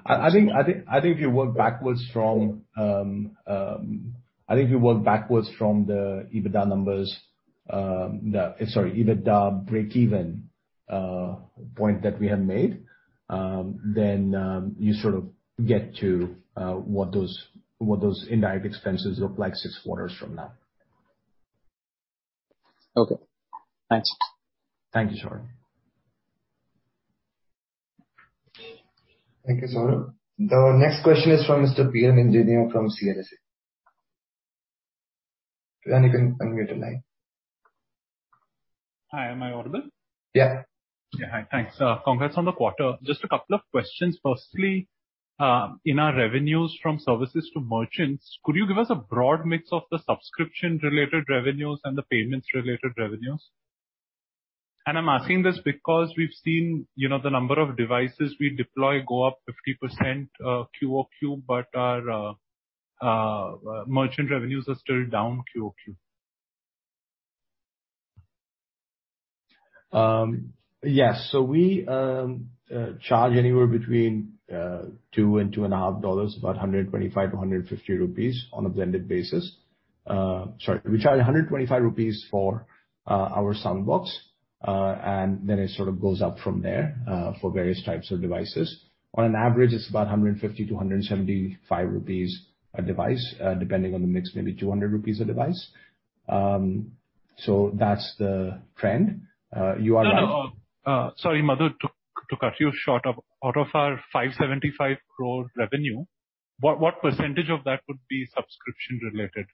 I think if you work backwards from the EBITDA numbers, sorry, EBITDA breakeven point that we had made, then you sort of get to what those indirect expenses look like Q6 from now. Okay. Thanks. Thank you, Saurabh. Thank you, Saurabh. The next question is from Mr. Piran Engineer from CLSA. Piran, you can unmute your line. Hi, am I audible? Yeah. Yeah. Hi. Thanks. Congrats on the quarter. Just a couple of questions. Firstly, in our revenues from services to merchants, could you give us a broad mix of the subscription related revenues and the payments related revenues? I'm asking this because we've seen, you know, the number of devices we deploy go up 50%, quarter-over-quarter, but our merchant revenues are still down quarter-over-quarter. Yes. We charge anywhere between 2 and $2.50, about INR 125-INR 150 on a blended basis. Sorry. We charge 125 rupees for our Soundbox, and then it sort of goes up from there for various types of devices. On an average, it's about 150-175 rupees a device, depending on the mix, maybe 200 rupees a device. That's the trend. You are right. No, no. Sorry, Madhu. To cut you short, out of our 575 crore revenue, what percentage of that would be subscription related?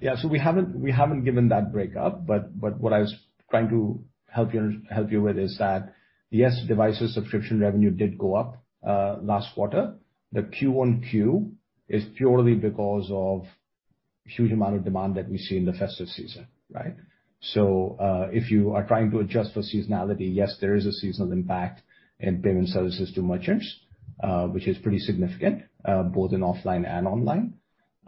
Yeah. We haven't given that breakup, but what I was trying to help you with is that, yes, devices subscription revenue did go up last quarter. The Q on Q is purely because of huge amount of demand that we see in the festive season, right? If you are trying to adjust for seasonality, yes, there is a seasonal impact in payment services to merchants, which is pretty significant, both in offline and online.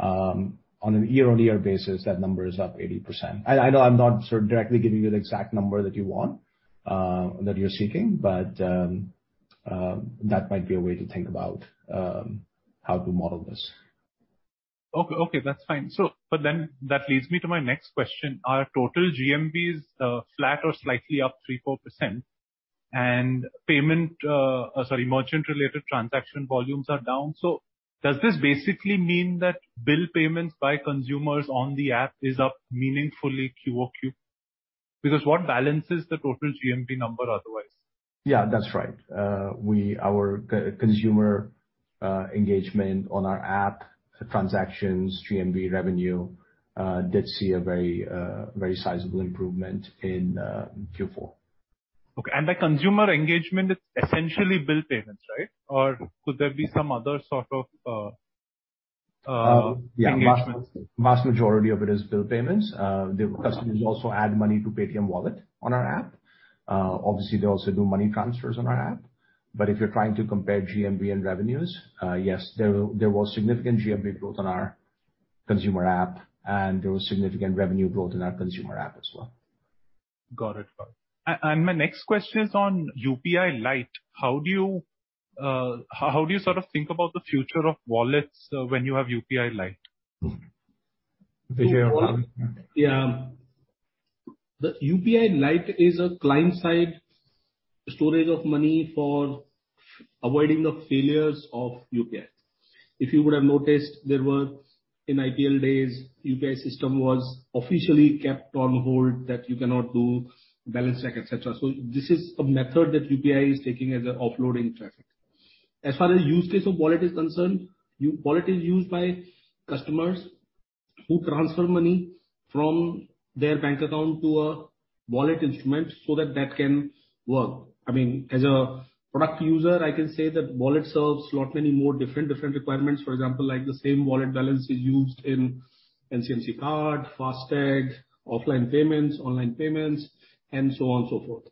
On a year-on-year basis, that number is up 80%. I know I'm not sort of directly giving you the exact number that you want, that you're seeking, but that might be a way to think about how to model this. Okay, that's fine. That leads me to my next question. Our total GMVs are flat or slightly up 3%-4%, and merchant related transaction volumes are down. Does this basically mean that bill payments by consumers on the app is up meaningfully quarter-over-quarter? Because what balances the total GMV number otherwise? Yeah, that's right. Our consumer engagement on our app transactions, GMV revenue, did see a very very sizable improvement in Q4. Okay. The consumer engagement is essentially bill payments, right? Or could there be some other sort of engagement? Yeah. Vast majority of it is bill payments. The customers also add money to Paytm wallet on our app. Obviously, they also do money transfers on our app. If you're trying to compare GMV and revenues, yes, there was significant GMV growth on our consumer app, and there was significant revenue growth in our consumer app as well. Got it. My next question is on UPI Lite. How do you sort of think about the future of wallets when you have UPI Lite? Vijay Yeah. The UPI Lite is a client side storage of money for avoiding the failures of UPI. If you would have noticed, there were in IPL days, UPI system was officially kept on hold, that you cannot do balance check, et cetera. This is a method that UPI is taking as offloading traffic. As far as use case of wallet is concerned, our wallet is used by customers who transfer money from their bank account to a wallet instrument so that that can work. I mean, as a product user, I can say that wallet serves lot many more different requirements. For example, like the same wallet balance is used in NFC Card, FASTag, offline payments, online payments and so on and so forth.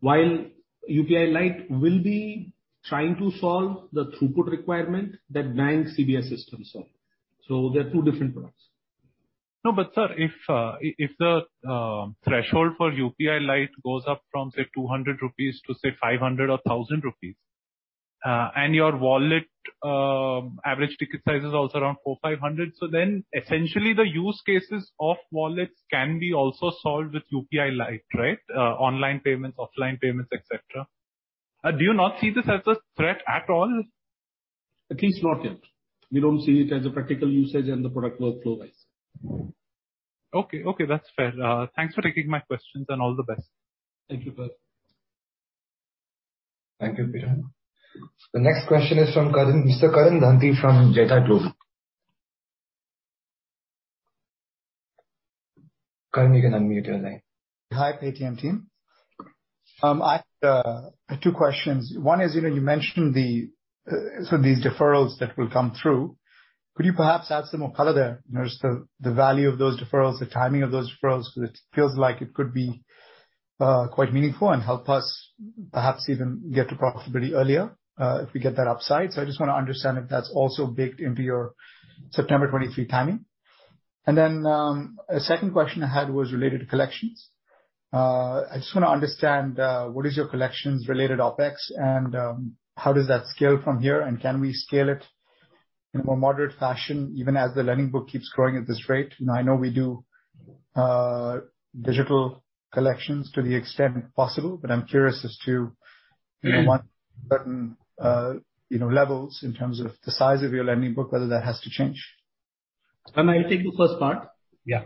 While UPI Lite will be trying to solve the throughput requirement that banks CBS systems solve. They're two different products. No, but sir, if the threshold for UPI Lite goes up from, say, 200 rupees to, say, 500 rupees or 1,000 rupees, and your wallet average ticket size is also around 400-500, so then essentially the use cases of wallets can be also solved with UPI Lite, right? Online payments, offline payments, et cetera. Do you not see this as a threat at all? At least not yet. We don't see it as a practical usage and the product workflow wise. Okay. Okay, that's fair. Thanks for taking my questions, and all the best. Thank you, sir. Thank you, Piran. The next question is from Karan, Mr. Karan Danthi from Jetha Global. Karan, you can unmute your line. Hi, Paytm team. I have two questions. One is, you know, you mentioned the sort of these deferrals that will come through. Could you perhaps add some more color there? You know, just the value of those deferrals, the timing of those deferrals? Because it feels like it could be quite meaningful and help us perhaps even get to profitability earlier, if we get that upside. So I just wanna understand if that's also baked into your September 2023 timing. Then, a second question I had was related to collections. I just wanna understand what is your collections related OpEx and how does that scale from here? And can we scale it in a more moderate fashion even as the lending book keeps growing at this rate? Now, I know we do digital collections to the extent possible, but I'm curious as to, you know, once certain levels in terms of the size of your lending book, whether that has to change. I'll take the first part. Yeah.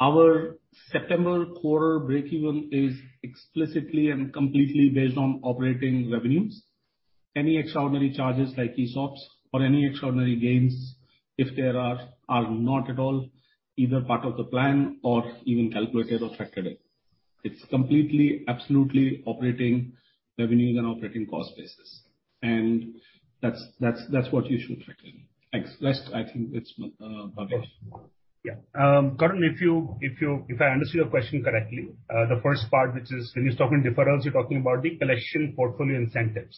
Our September quarter breakeven is explicitly and completely based on operating revenues. Any extraordinary charges like ESOPs or any extraordinary gains, if there are not at all either part of the plan or even calculated or factored in. It's completely, absolutely operating revenues and operating cost basis. That's what you should factor in. Rest I think it's Bhavesh. Yeah. Karan, if I understood your question correctly, the first part which is when you're talking deferrals, you're talking about the collection portfolio incentives.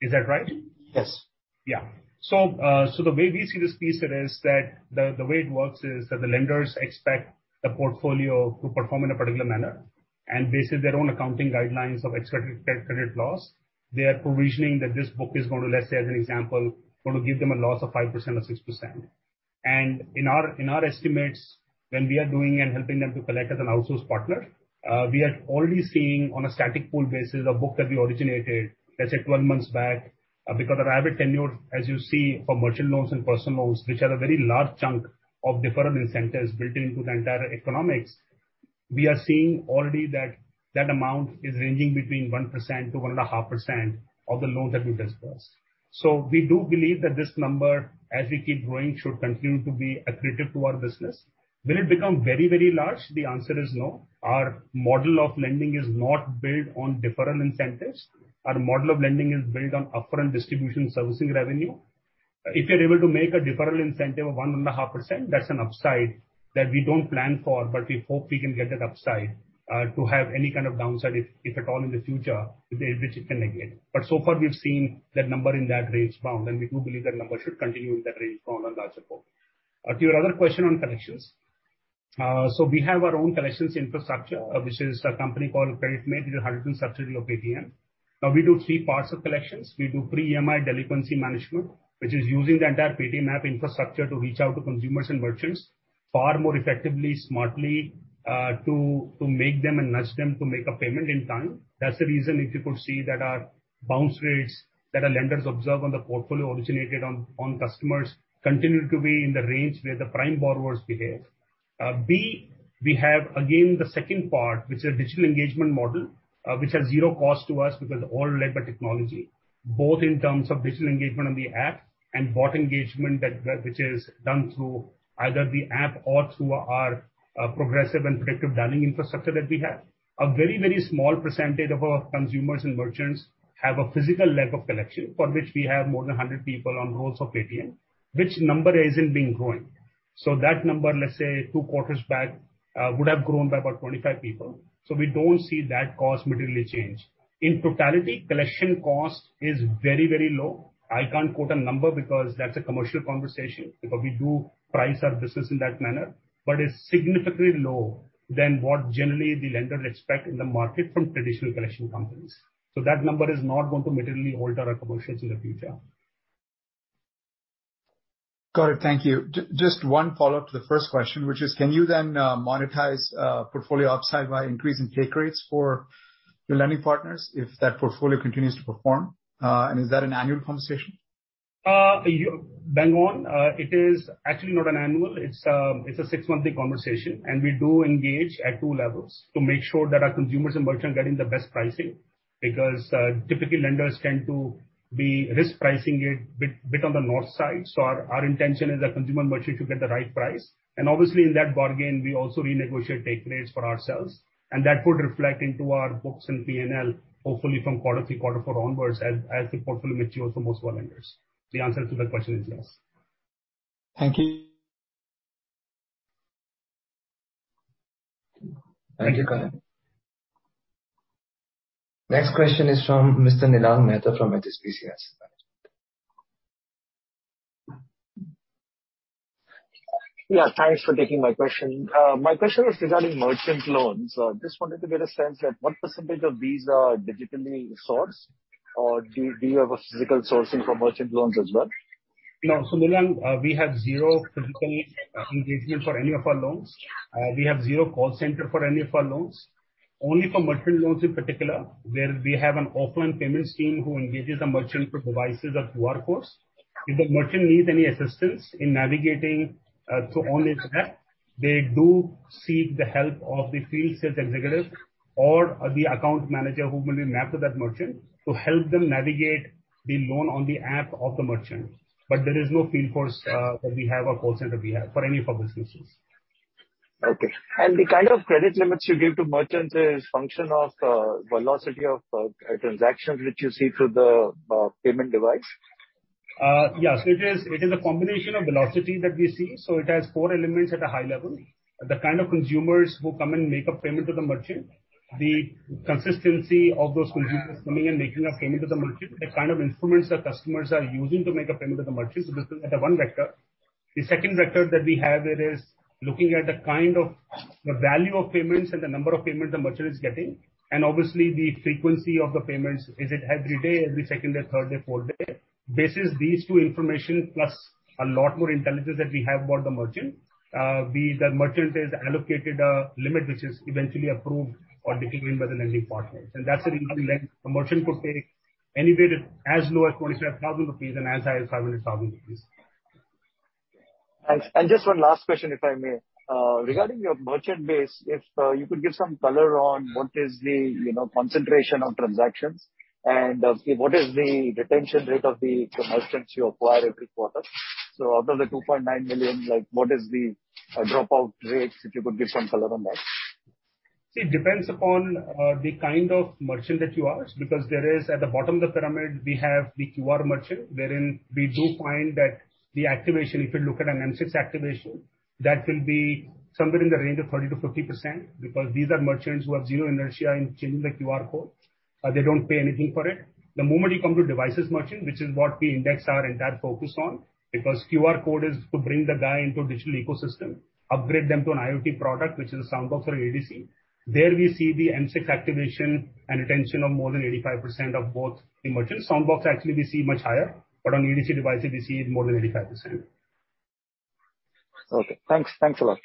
Is that right? Yes. The way we see this piece is that the way it works is that the lenders expect the portfolio to perform in a particular manner and based on their own accounting guidelines of expected credit loss, they are provisioning that this book is gonna, let's say as an example, give them a loss of 5% or 6%. In our estimates, when we are doing and helping them to collect as an outsource partner, we are already seeing on a static pool basis a book that we originated, let's say 12 months back, because the rapid tenure, as you see for merchant loans and personal loans, which are a very large chunk of deferral incentives built into the entire economics, we are seeing already that amount is ranging between 1%-1.5% of the loans that we disperse. We do believe that this number, as we keep growing, should continue to be accretive to our business. Will it become very, very large? The answer is no. Our model of lending is not built on deferral incentives. Our model of lending is built on upfront distribution servicing revenue. If you're able to make a deferral incentive of 1.5%, that's an upside that we don't plan for, but we hope we can get that upside to have any kind of downside if at all in the future, we which it can negate. So far we've seen that number in that range bound, and we do believe that number should continue in that range bound on large support. To your other question on collections. We have our own collections infrastructure, which is a company called CreditMate. It is a 100% subsidiary of Paytm. Now, we do three parts of collections. We do pre-EMI delinquency management, which is using the entire Paytm app infrastructure to reach out to consumers and merchants far more effectively, smartly, to make them and nudge them to make a payment in time. That's the reason if you could see that our bounce rates that our lenders observe on the portfolio originated on customers continue to be in the range where the prime borrowers behave. B, we have again the second part, which is a digital engagement model, which has zero cost to us because all led by technology, both in terms of digital engagement on the app and bot engagement that which is done through either the app or through our progressive and predictive dialing infrastructure that we have. A very, very small percentage of our consumers and merchants have a physical leg of collection for which we have more than 100 people on rolls of Paytm, which number hasn't been growing. That number, let's say Q2 back, would have grown by about 25 people. We don't see that cost materially change. In totality, collection cost is very, very low. I can't quote a number because that's a commercial conversation because we do price our business in that manner, but it's significantly lower than what generally the lenders expect in the market from traditional collection companies. That number is not going to materially alter our commercials in the future. Got it. Thank you. Just one follow-up to the first question, which is can you then monetize portfolio upside by increasing take rates for your lending partners if that portfolio continues to perform? And is that an annual conversation? Bang on. It is actually not an annual. It's a six-monthly conversation, and we do engage at two levels to make sure that our consumers and merchants are getting the best pricing because typically lenders tend to be risk pricing it bit on the north side. Our intention is that consumer and merchant should get the right price. Obviously in that bargain, we also renegotiate take rates for ourselves, and that could reflect into our books and P&L hopefully from Q3, Q4 onwards as the portfolio matures for most of our lenders. The answer to that question is yes. Thank you. Thank you, Karan. Next question is from Mr. Nilang Mehta from HSBC. Yeah, thanks for taking my question. My question was regarding merchant loans. Just wanted to get a sense that what percentage of these are digitally sourced or do you have a physical sourcing for merchant loans as well? No. Nilang, we have zero physical engagement for any of our loans. We have zero call center for any of our loans. Only for merchant loans in particular, where we have an offline payments team who engages the merchant for devices of workforce. If the merchant needs any assistance in navigating only through app, they do seek the help of the field sales executive or the account manager who will be mapped to that merchant to help them navigate the loan on the app of the merchant. There is no field force that we have or call center we have for any of our businesses. The kind of credit limits you give to merchants is function of velocity of transactions which you see through the payment device. Yes, it is a combination of velocity that we see. It has four elements at a high level. The kind of consumers who come and make a payment to the merchant, the consistency of those consumers coming and making a payment to the merchant, the kind of instruments that customers are using to make a payment to the merchant. This is at the one vector. The second vector that we have it is looking at the kind of the value of payments and the number of payments the merchant is getting, and obviously the frequency of the payments. Is it every day, every second day, third day, fourth day? Based on these two information plus a lot more intelligence that we have about the merchant, the merchant is allocated a limit which is eventually approved or declined by the lending partners. That's the lending length. The merchant could take anywhere to as low as 25,000 rupees and as high as 500,000 rupees. Just one last question, if I may. Regarding your merchant base, if you could give some color on what is the concentration of transactions and what is the retention rate of the merchants you acquire every quarter. Out of the 2.9 million, like, what is the dropout rates, if you could give some color on that? See, it depends upon the kind of merchant that you ask, because there is at the bottom of the pyramid, we have the QR merchant, wherein we do find that the activation, if you look at an M6 activation, that will be somewhere in the range of 30%-50% because these are merchants who have zero inertia in changing the QR code. They don't pay anything for it. The moment you come to device merchants, which is what we index our entire focus on, because QR code is to bring the guy into a digital ecosystem, upgrade them to an IoT product, which is a Soundbox or an EDC. There we see the M6 activation and retention of more than 85% of both our merchants. Soundbox actually we see much higher, but on EDC devices we see it more than 85%. Okay, thanks. Thanks a lot.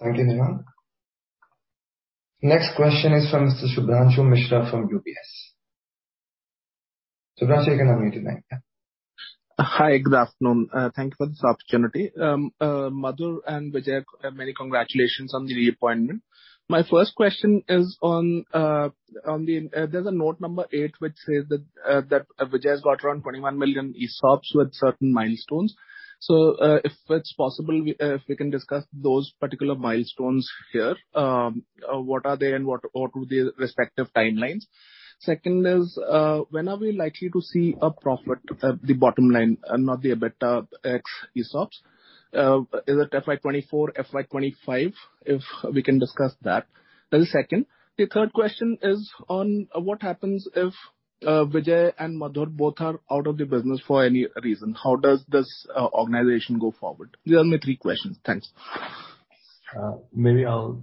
Thank you, Nilang Mehta. Next question is from Mr. Shubhranshu Mishra from UBS. Shubhranshu, you can unmute the mic now. Hi, good afternoon. Thank you for this opportunity. Madhur and Vijay, many congratulations on the reappointment. My first question is on the note number 8 which says that Vijay's got around 21 million ESOPs with certain milestones. If we can discuss those particular milestones here, what are they and what would be the respective timelines? Second, when are we likely to see a profit, the bottom line, not the EBITDA ex-ESOPs? Is it FY 2024, FY 2025? If we can discuss that. That's the second. The third question is on what happens if Vijay and Madhur both are out of the business for any reason? How does this organization go forward? These are my three questions. Thanks. Maybe I'll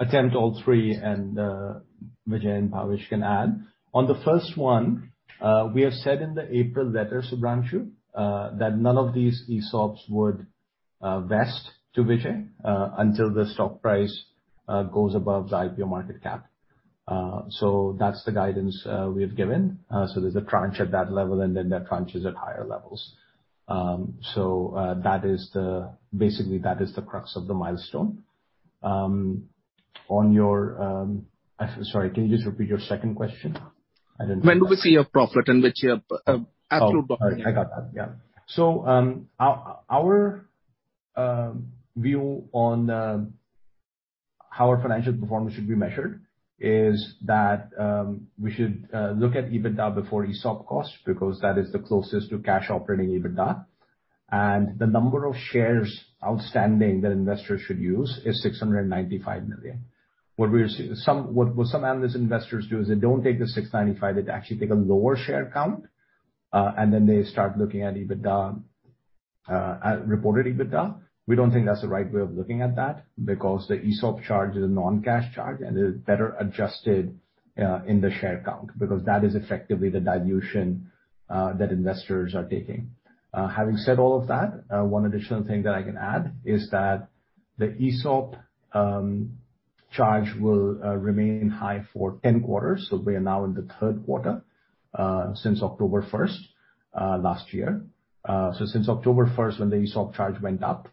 attempt all three, and Vijay and Bhavesh can add. On the first one, we have said in the April letter, Shubhranshu, that none of these ESOPs would vest to Vijay until the stock price goes above the IPO market cap. So that's the guidance we have given. So, there's a tranche at that level, and then there are tranches at higher levels. Basically, that is the crux of the milestone. On your... Sorry, can you just repeat your second question? I didn't- When do we see a profit and which absolute profit? Oh, sorry. I got that. Yeah, our view on how our financial performance should be measured is that we should look at EBITDA before ESOP costs because that is the closest to cash operating EBITDA. The number of shares outstanding that investors should use is 695 million. What some analyst investors do is they don't take the 695, they actually take a lower share count, and then they start looking at EBITDA at reported EBITDA. We don't think that's the right way of looking at that because the ESOP charge is a non-cash charge and is better adjusted in the share count because that is effectively the dilution that investors are taking. Having said all of that, one additional thing that I can add is that the ESOP charge will remain high for 10 quarters. We are now in the Q3 since October one last year. Since October 1 when the ESOP charge went up,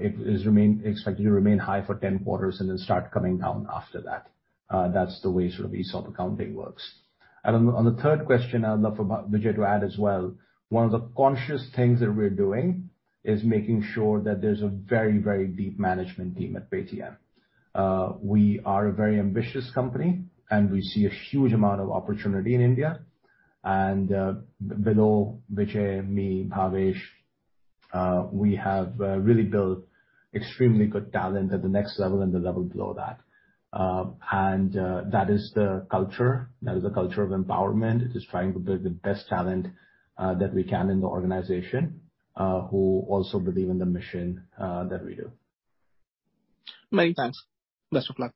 expected to remain high for 10 quarters and then start coming down after that. That's the way sort of ESOP accounting works. On the third question, I'd love for Vijay to add as well. One of the conscious things that we're doing is making sure that there's a very, very deep management team at Paytm. We are a very ambitious company, and we see a huge amount of opportunity in India. Vineet, Vijay, me, Bhavesh, we have really built extremely good talent at the next level and the level below that. That is the culture. That is the culture of empowerment. It is trying to build the best talent that we can in the organization who also believe in the mission that we do. Many thanks. Best of luck.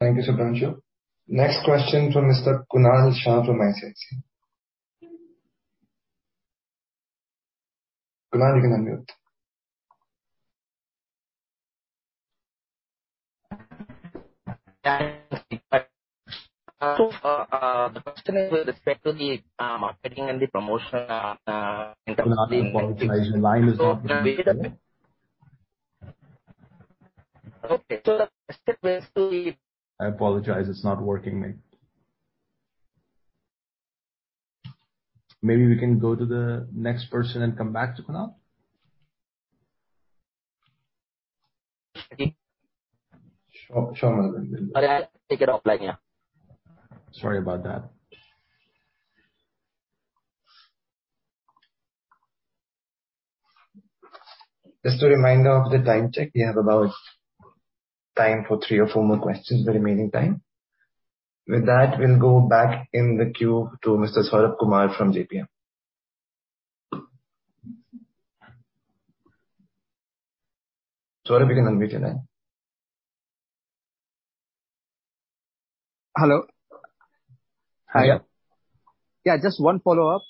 Thank you, Subhanshu. Next question from Mr. Kunal Shah from ICICI. Kunal, you can unmute. Thanks. The question is with respect to the marketing and the promotion income- Kunal, I apologize. Your line is not very clear. Okay. The question is to the I apologize. It's not working, mate. Maybe we can go to the next person and come back to Kunal. Okay. Sure. Sure. All right. I'll take it offline, yeah. Sorry about that. Just a reminder of the time check. We have about time for three or four more questions, the remaining time. With that, we'll go back in the queue to Mr. Saurabh Kumar from JPM. Saurabh, you can unmute your line. Hello. Hi. Yeah, just one follow-up.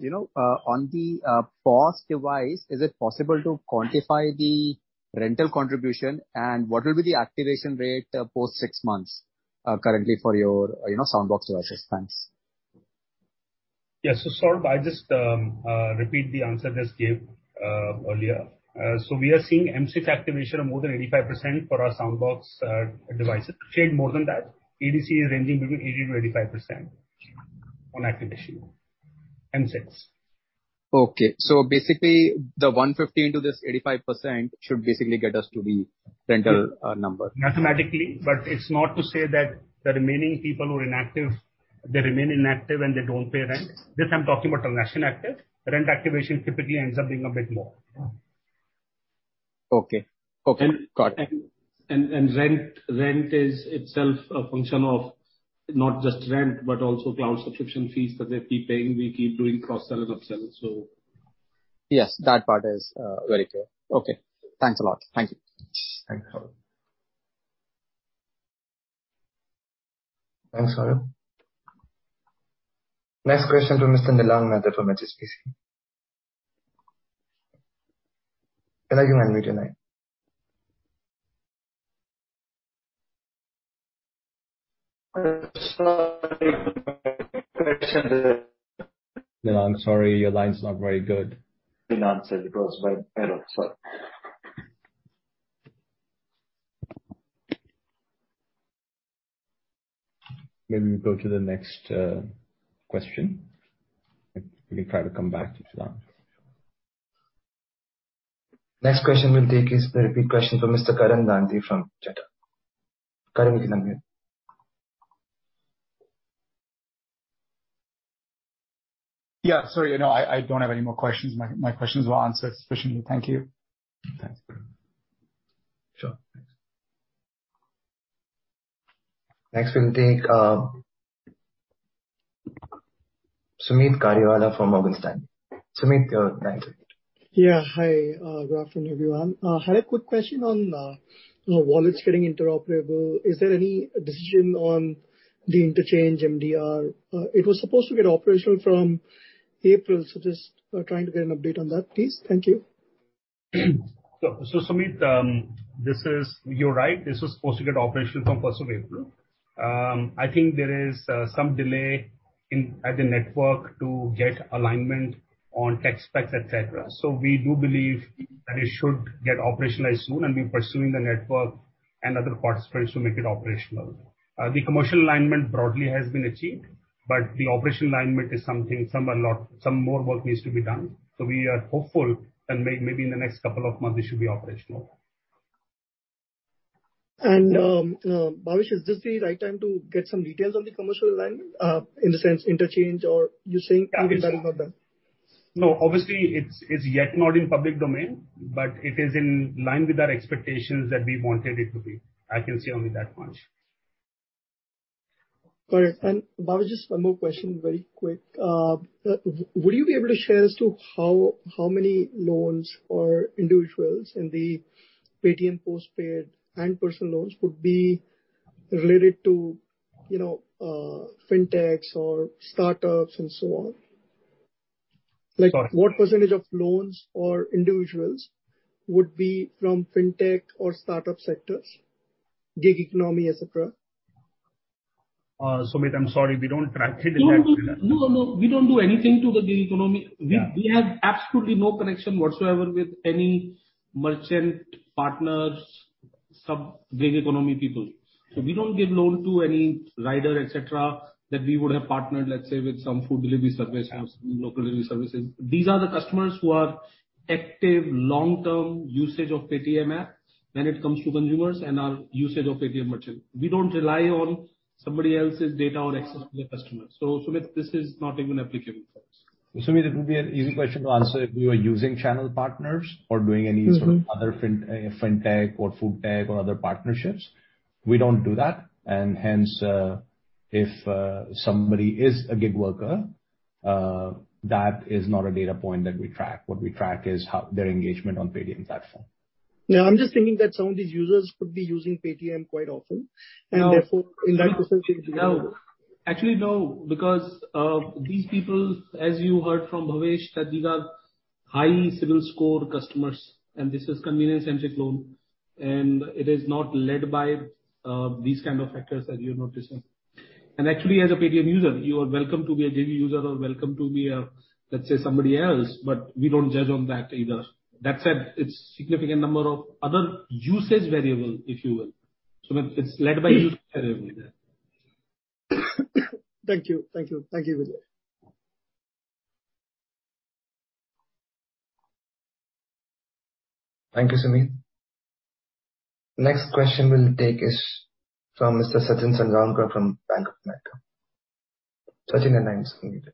You know, on the POS device, is it possible to quantify the rental contribution and what will be the activation rate post six months currently for your, Soundbox devices? Thanks. Yes. So, Saurabh, I'll just repeat the answer just gave earlier. We are seeing M6 activation of more than 85% for our Soundbox devices. In fact, more than that. ADC is ranging between 80%-85% on activation, M6. Okay. Basically, the 150 into this 85% should basically get us to the retail number. Mathematically, it's not to say that the remaining people who are inactive, they remain inactive and they don't pay rent. This I'm talking about are less than active. Rent activation typically ends up being a bit more. Okay. Okay. Got it. Rent is itself a function of not just rent but also cloud subscription fees that they keep paying. We keep doing cross-sell and up-sell, so. Yes, that part is very clear. Okay. Thanks a lot. Thank you. Thanks, Saurabh. Next question to Mr. Nilang Mehta from HSBC. Nilang, you may unmute your line. Nilang, I'm sorry, your line's not very good. Been answered by Parag, sorry. Maybe we go to the next question. We try to come back to Nilang. Next question we'll take is the repeat question from Mr. Karan Danthi from Jetha. Karan, we can unmute. Yeah. Sorry. No, I don't have any more questions. My questions were answered sufficiently. Thank you. Thanks, Karan. Sure. Thanks. Next we'll take Sumeet Kariwala from Morgan Stanley. Sumeet, your line is open. Yeah, hi. Good afternoon, everyone. I had a quick question on wallets getting interoperable. Is there any decision on the interchange MDR? It was supposed to get operational from April, so just trying to get an update on that, please. Thank you. Sumeet, you're right. This was supposed to get operational from first of April. I think there is some delay in getting alignment on tech specs, et cetera. We do believe that it should get operationalized soon, and we're pursuing the network and other participants to make it operational. The commercial alignment broadly has been achieved, but the operational alignment is something, a lot more work needs to be done. We are hopeful that maybe in the next couple of months it should be operational. Bhavesh, is this the right time to get some details on the commercial alignment, in the sense interchange or you're saying leave that for them? No, obviously it's yet not in public domain, but it is in line with our expectations that we wanted it to be. I can say only that much. Got it. Bhavesh, just one more question, very quick. Would you be able to share as to how many loans for individuals in the Paytm Postpaid and personal loans would be related to, fintechs or startups and so on? Sorry. Like, what percentage of loans for individuals would be from fintech or startup sectors, gig economy, et cetera? Sumeet, I'm sorry, we don't track it in that detail. No, no. We don't do anything to the gig economy. Yeah. We have absolutely no connection whatsoever with any merchant partners, gig economy people. We don't give loan to any rider, et cetera, that we would have partnered, let's say, with some food delivery service, have some local delivery services. These are the customers who have active long-term usage of Paytm app when it comes to consumers and our usage of Paytm merchant. We don't rely on somebody else's data or access to their customers. Sumit, this is not even applicable for us. Sumit, it would be an easy question to answer if we were using channel partners or doing any- Mm-hmm. Sort of other fintech or foodtech or other partnerships. We don't do that. Hence, if somebody is a gig worker, that is not a data point that we track. What we track is how their engagement on Paytm platform. No, I'm just thinking that some of these users could be using Paytm quite often. No. Therefore in that percentage. No. Actually, no, because, these people, as you heard from Bhavesh, that these are high CIBIL score customers, and this is convenience-centric loan, and it is not led by, these kinds of factors that you're noticing. Actually, as a Paytm user, you are welcome to be a daily user or welcome to be a, let's say, somebody else, but we don't judge on that either. That said, it's significant number of other usage variable, if you will. It's led by you, sir. Thank you. Thank you. Thank you, Vijay. Thank you, Sumeet. Next question we'll take is from Mr. Sachin Salgaonkar from Bank of America. Sachin, the line is unmuted. Hi,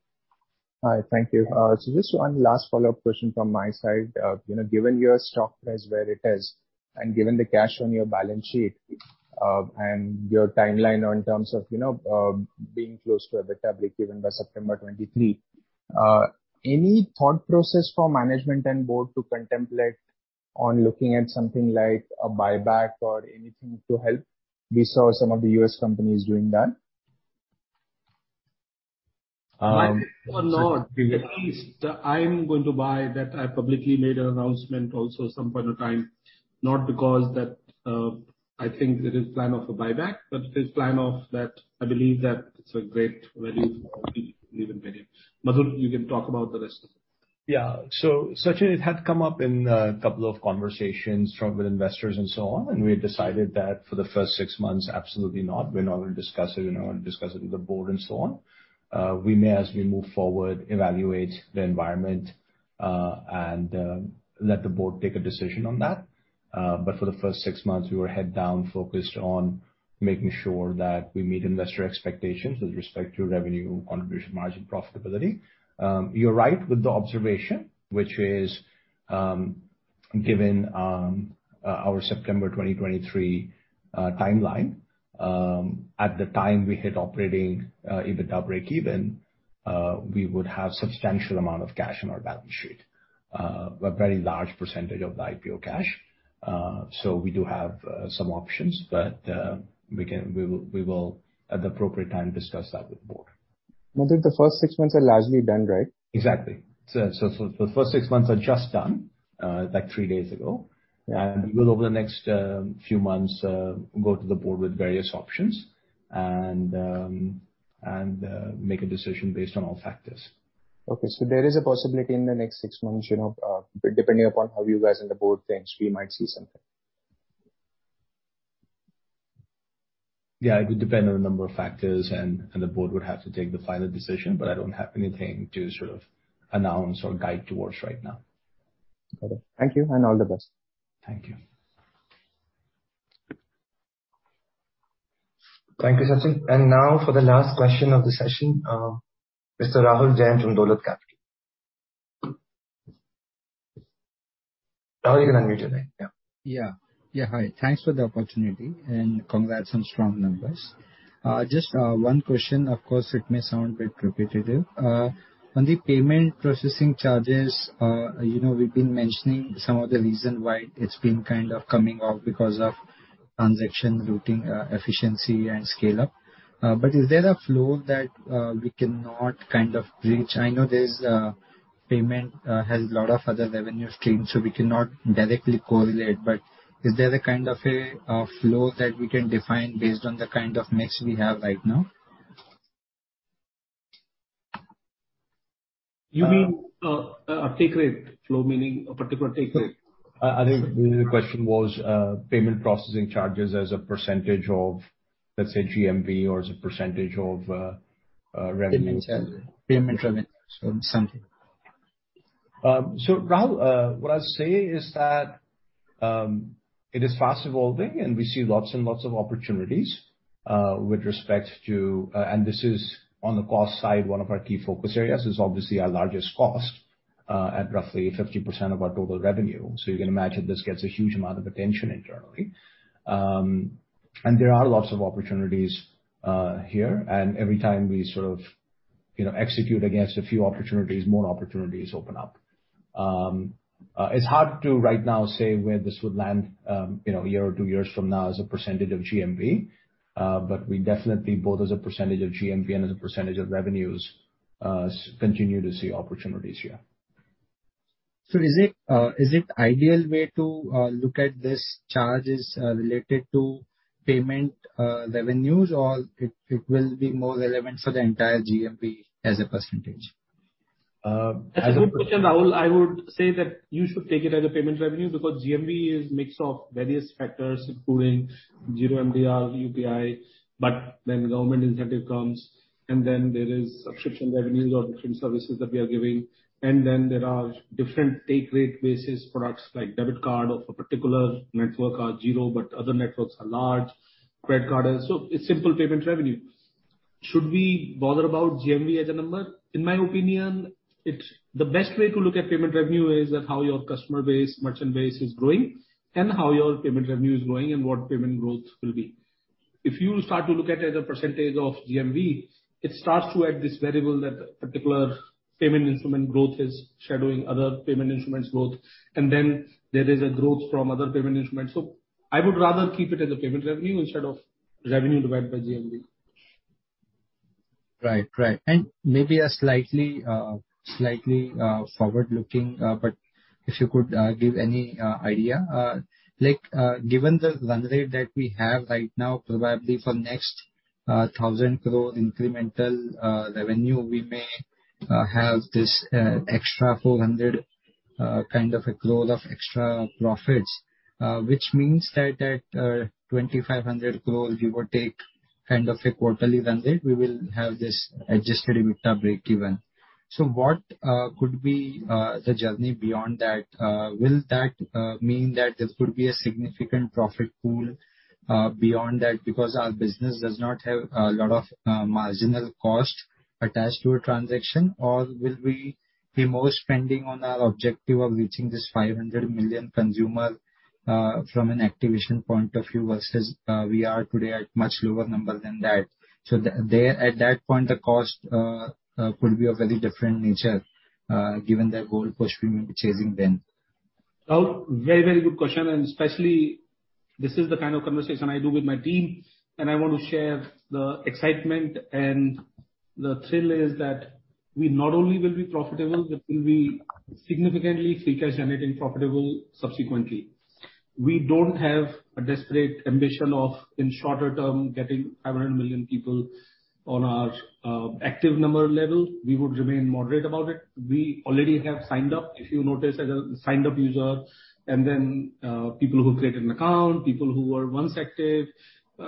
thank you. Just one last follow-up question from my side. You know, given your stock price where it is, and given the cash on your balance sheet, and your timeline now in terms of, being close to EBITDA break even by September 2023, any thought process from management and board to contemplate on looking at something like a buyback or anything to help? We saw some of the U.S. companies doing that. At least I'm going to buy that I publicly made an announcement at some point of time, not because that, I think there is plan of a buyback, but there's plan of that I believe that it's a great value for our. Mm-hmm. Enable video. Madhur, you can talk about the rest of it. Sachin, it had come up in a couple of conversations with investors and so on, and we had decided that for the first six months, absolutely not. We're not gonna discuss it, and discuss it with the board and so on. We may, as we move forward, evaluate the environment, and let the board take a decision on that. But for the first six months, we were heads down focused on making sure that we meet investor expectations with respect to revenue, contribution margin, profitability. You're right with the observation, which is, given our September 2023 timeline, at the time we hit operating EBITDA breakeven, we would have substantial amount of cash on our balance sheet. A very large percentage of the IPO cash. We do have some options, but we will at the appropriate time discuss that with the board. Madhur, the first six months are largely done, right? Exactly. The first six months are just done, like three days ago. Yeah. We will over the next few months go to the board with various options and make a decision based on all factors. Okay. There is a possibility in the next six months, depending upon how you guys in the board thinks, we might see something. Yeah, it would depend on a number of factors and the board would have to take the final decision, but I don't have anything to sort of announce or guide towards right now. Got it. Thank you and all the best. Thank you. Thank you, Sachin. Now for the last question of the session, Mr. Rahul Jain from Dolat Capital. Rahul, you can unmute your line, yeah. Yeah. Yeah, hi. Thanks for the opportunity and congrats on strong numbers. Just one question. Of course, it may sound a bit repetitive. On the payment processing charges, we've been mentioning some of the reason why it's been kind of coming off because of transaction routing efficiency and scale-up. Is there a floor that we cannot kind of reach? I know Paytm has a lot of other revenue streams, so we cannot directly correlate. Is there a kind of a floor that we can define based on the kind of mix we have right now? You mean, a take rate flow, meaning a particular take rate? I think the question was, payment processing charges as a percentage of, let's say, GMV or as a percentage of revenue. Payment revenue or something. Rahul, what I'll say is that it is fast evolving and we see lots and lots of opportunities with respect to and this is on the cost side, one of our key focus areas. It's obviously our largest cost at roughly 50% of our total revenue. You can imagine this gets a huge amount of attention internally. There are lots of opportunities here, and every time we sort of, execute against a few opportunities, more opportunities open up. It's hard to right now say where this would land, a year or two years from now as a percentage of GMV. We definitely both as a percentage of GMV and as a percentage of revenues continue to see opportunities here. Is it ideal way to look at these charges related to payment revenues or it will be more relevant for the entire GMV as a percentage? Uh, as a- That's a good question, Rahul. I would say that you should take it as a payment revenue because GMV is mix of various factors including zero MDR, UPI. When government incentive comes and then there is subscription revenues or different services that we are giving. Then there are different take rate basis products like debit card of a particular network are zero, but other networks are large. Credit card is. So it's simple payment revenue. Should we bother about GMV as a number? In my opinion, it's. The best way to look at payment revenue is that how your customer base, merchant base is growing and how your payment revenue is growing and what payment growth will be. If you start to look at it as a percentage of GMV, it starts to add this variable that particular payment instrument growth is shadowing other payment instruments growth. There is a growth from other payment instruments. I would rather keep it as a payment revenue instead of revenue divided by GMV. Right. Maybe a slightly forward looking, but if you could give any idea, like, given the run rate that we have right now, probably for next 1,000 crore incremental revenue, we may have this extra 400 kind of a growth of extra profits, which means that at 2,500 crore, we would take kind of a quarterly run rate, we will have this adjusted EBITDA breakeven. What could be the journey beyond that? Will that mean that this could be a significant profit pool beyond that because our business does not have a lot of marginal cost attached to a transaction? Will we be more spending on our objective of reaching this 500 million consumer from an activation point of view versus we are today at much lower number than that. There at that point, the cost could be of very different nature given the goalpost we will be chasing then. Rahul, very, very good question, and especially this is the kind of conversation I do with my team, and I want to share the excitement and the thrill is that we not only will be profitable, but we'll be significantly free cash generating profitable subsequently. We don't have a desperate ambition of, in the short term, getting 500 million people on our active number level. We would remain moderate about it. We already have signed up. If you notice, as a signed up user and then, people who created an account, people who were once active,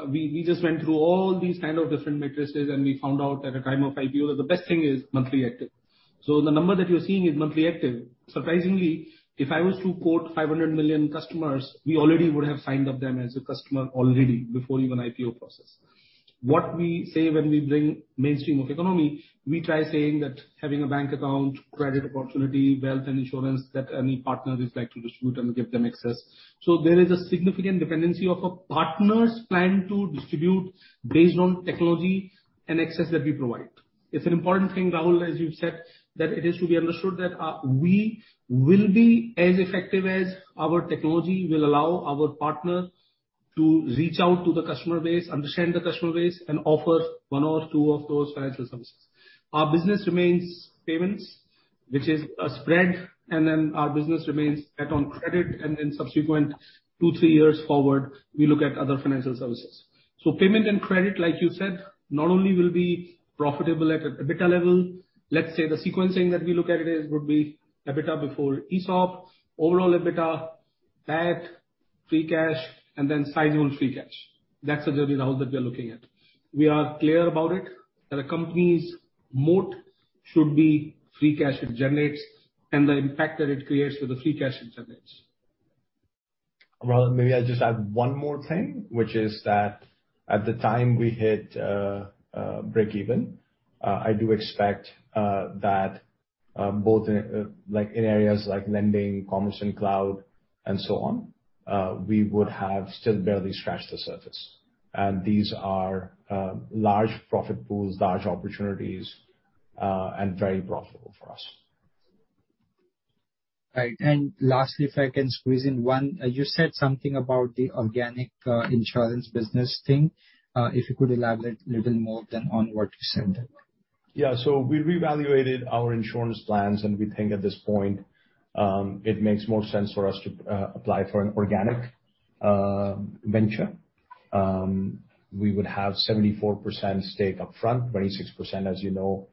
we just went through all these kind of different metrics and we found out at a time of IPO that the best thing is monthly active. The number that you're seeing is monthly active. Surprisingly, if I was to quote 500 million customers, we already would have signed up them as a customer already before even IPO process. What we say when we bring mainstream of economy, we try saying that having a bank account, credit opportunity, wealth and insurance that any partner is like to distribute and give them access. There is a significant dependency of a partner's plan to distribute based on technology and access that we provide. It's an important thing, Rahul, as you've said, that it is to be understood that, we will be as effective as our technology will allow our partner to reach out to the customer base, understand the customer base, and offer one or two of those financial services. Our business remains payments, which is a spread, and then our business remains bet on credit and in subsequent two, three years forward, we look at other financial services. Payment and credit, like you said, not only will be profitable at an EBITDA level. Let's say the sequencing that we look at it is would be EBITDA before ESOP, overall EBITDA, that free cash and then sizable free cash. That's the journey, Rahul, that we are looking at. We are clear about it, that a company's moat should be free cash it generates and the impact that it creates with the free cash it generates. Rahul, maybe I'll just add one more thing, which is that at the time we hit breakeven, I do expect that both in like in areas like lending, commerce and cloud and so on, we would have still barely scratched the surface. These are large profit pools, large opportunities and very profitable for us. Right. Lastly, if I can squeeze in one, you said something about the organic insurance business thing. If you could elaborate little more on what you said. Yeah. We reevaluated our insurance plans, and we think at this point, it makes more sense for us to apply for an organic venture. We would have 74% stake upfront. 26%, as you know,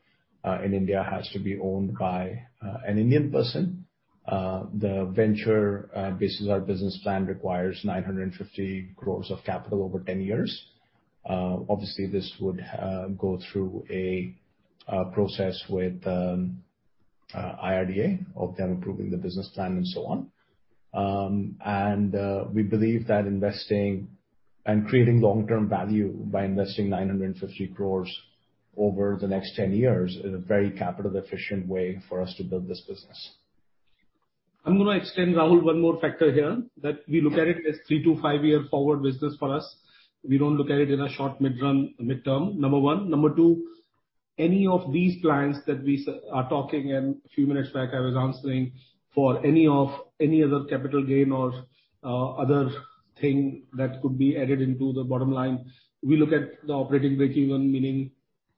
in India, has to be owned by an Indian person. The venture, basis our business plan, requires 950 crores of capital over 10 years. Obviously this would go through a process with IRDA of them approving the business plan and so on. We believe that investing and creating long-term value by investing 950 crores over the next 10 years is a very capital efficient way for us to build this business. I'm gonna extend, Rahul, one more factor here, that we look at it as three to five year forward business for us. We don't look at it in a short, mid-run, mid-term, number one. Number two, any of these plans that we are talking and few minutes back I was answering for any other capital gain or other thing that could be added into the bottom line, we look at the operating breakeven, meaning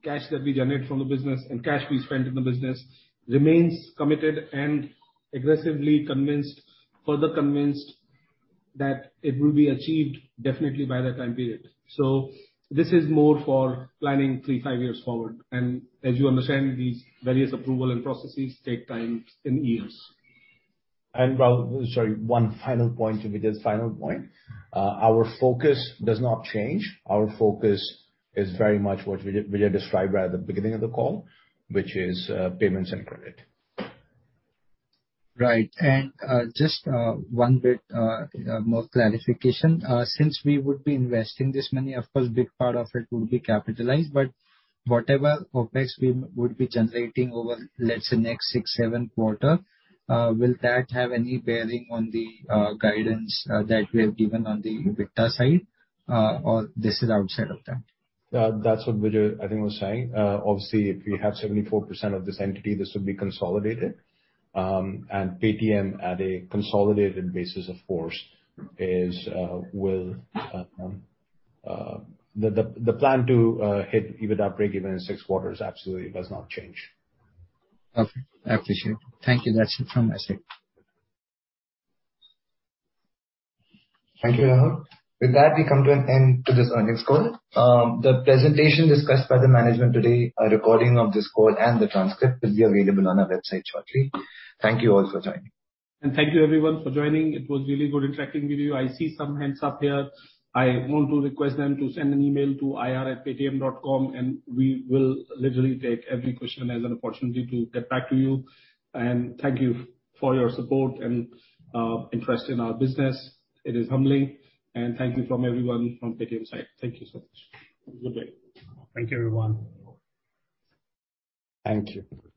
cash that we generate from the business and cash we spend in the business remains committed and aggressively convinced, further convinced that it will be achieved definitely by that time period. This is more for planning three-five years forward. As you understand, these various approval and processes take time in years. Rahul, sorry, one final point to Vijay's final point. Our focus does not change. Our focus is very much what Vijay described right at the beginning of the call, which is payments and credit. Right. Just one bit more clarification. Since we would be investing this money, of course, big part of it would be capitalized, but whatever OpEx we would be generating over, let's say, next six, seven quarters, will that have any bearing on the guidance that we have given on the EBITDA side? This is outside of that. That's what Vijay, I think, was saying. Obviously, if we have 74% of this entity, this would be consolidated. Paytm at a consolidated basis, of course, the plan to hit EBITDA breakeven in six quarters absolutely does not change. Okay. I appreciate it. Thank you. That's it from my side. Thank you, Rahul. With that, we come to an end to this earnings call. The presentation discussed by the management today, a recording of this call and the transcript will be available on our website shortly. Thank you all for joining. Thank you everyone for joining. It was really good interacting with you. I see some hands up here. I want to request them to send an email to ir@paytm.com and we will literally take every question as an opportunity to get back to you. Thank you for your support and interest in our business. It is humbling. Thank you from everyone from Paytm side. Thank you so much. Have a good day. Thank you, everyone. Thank you. Bye.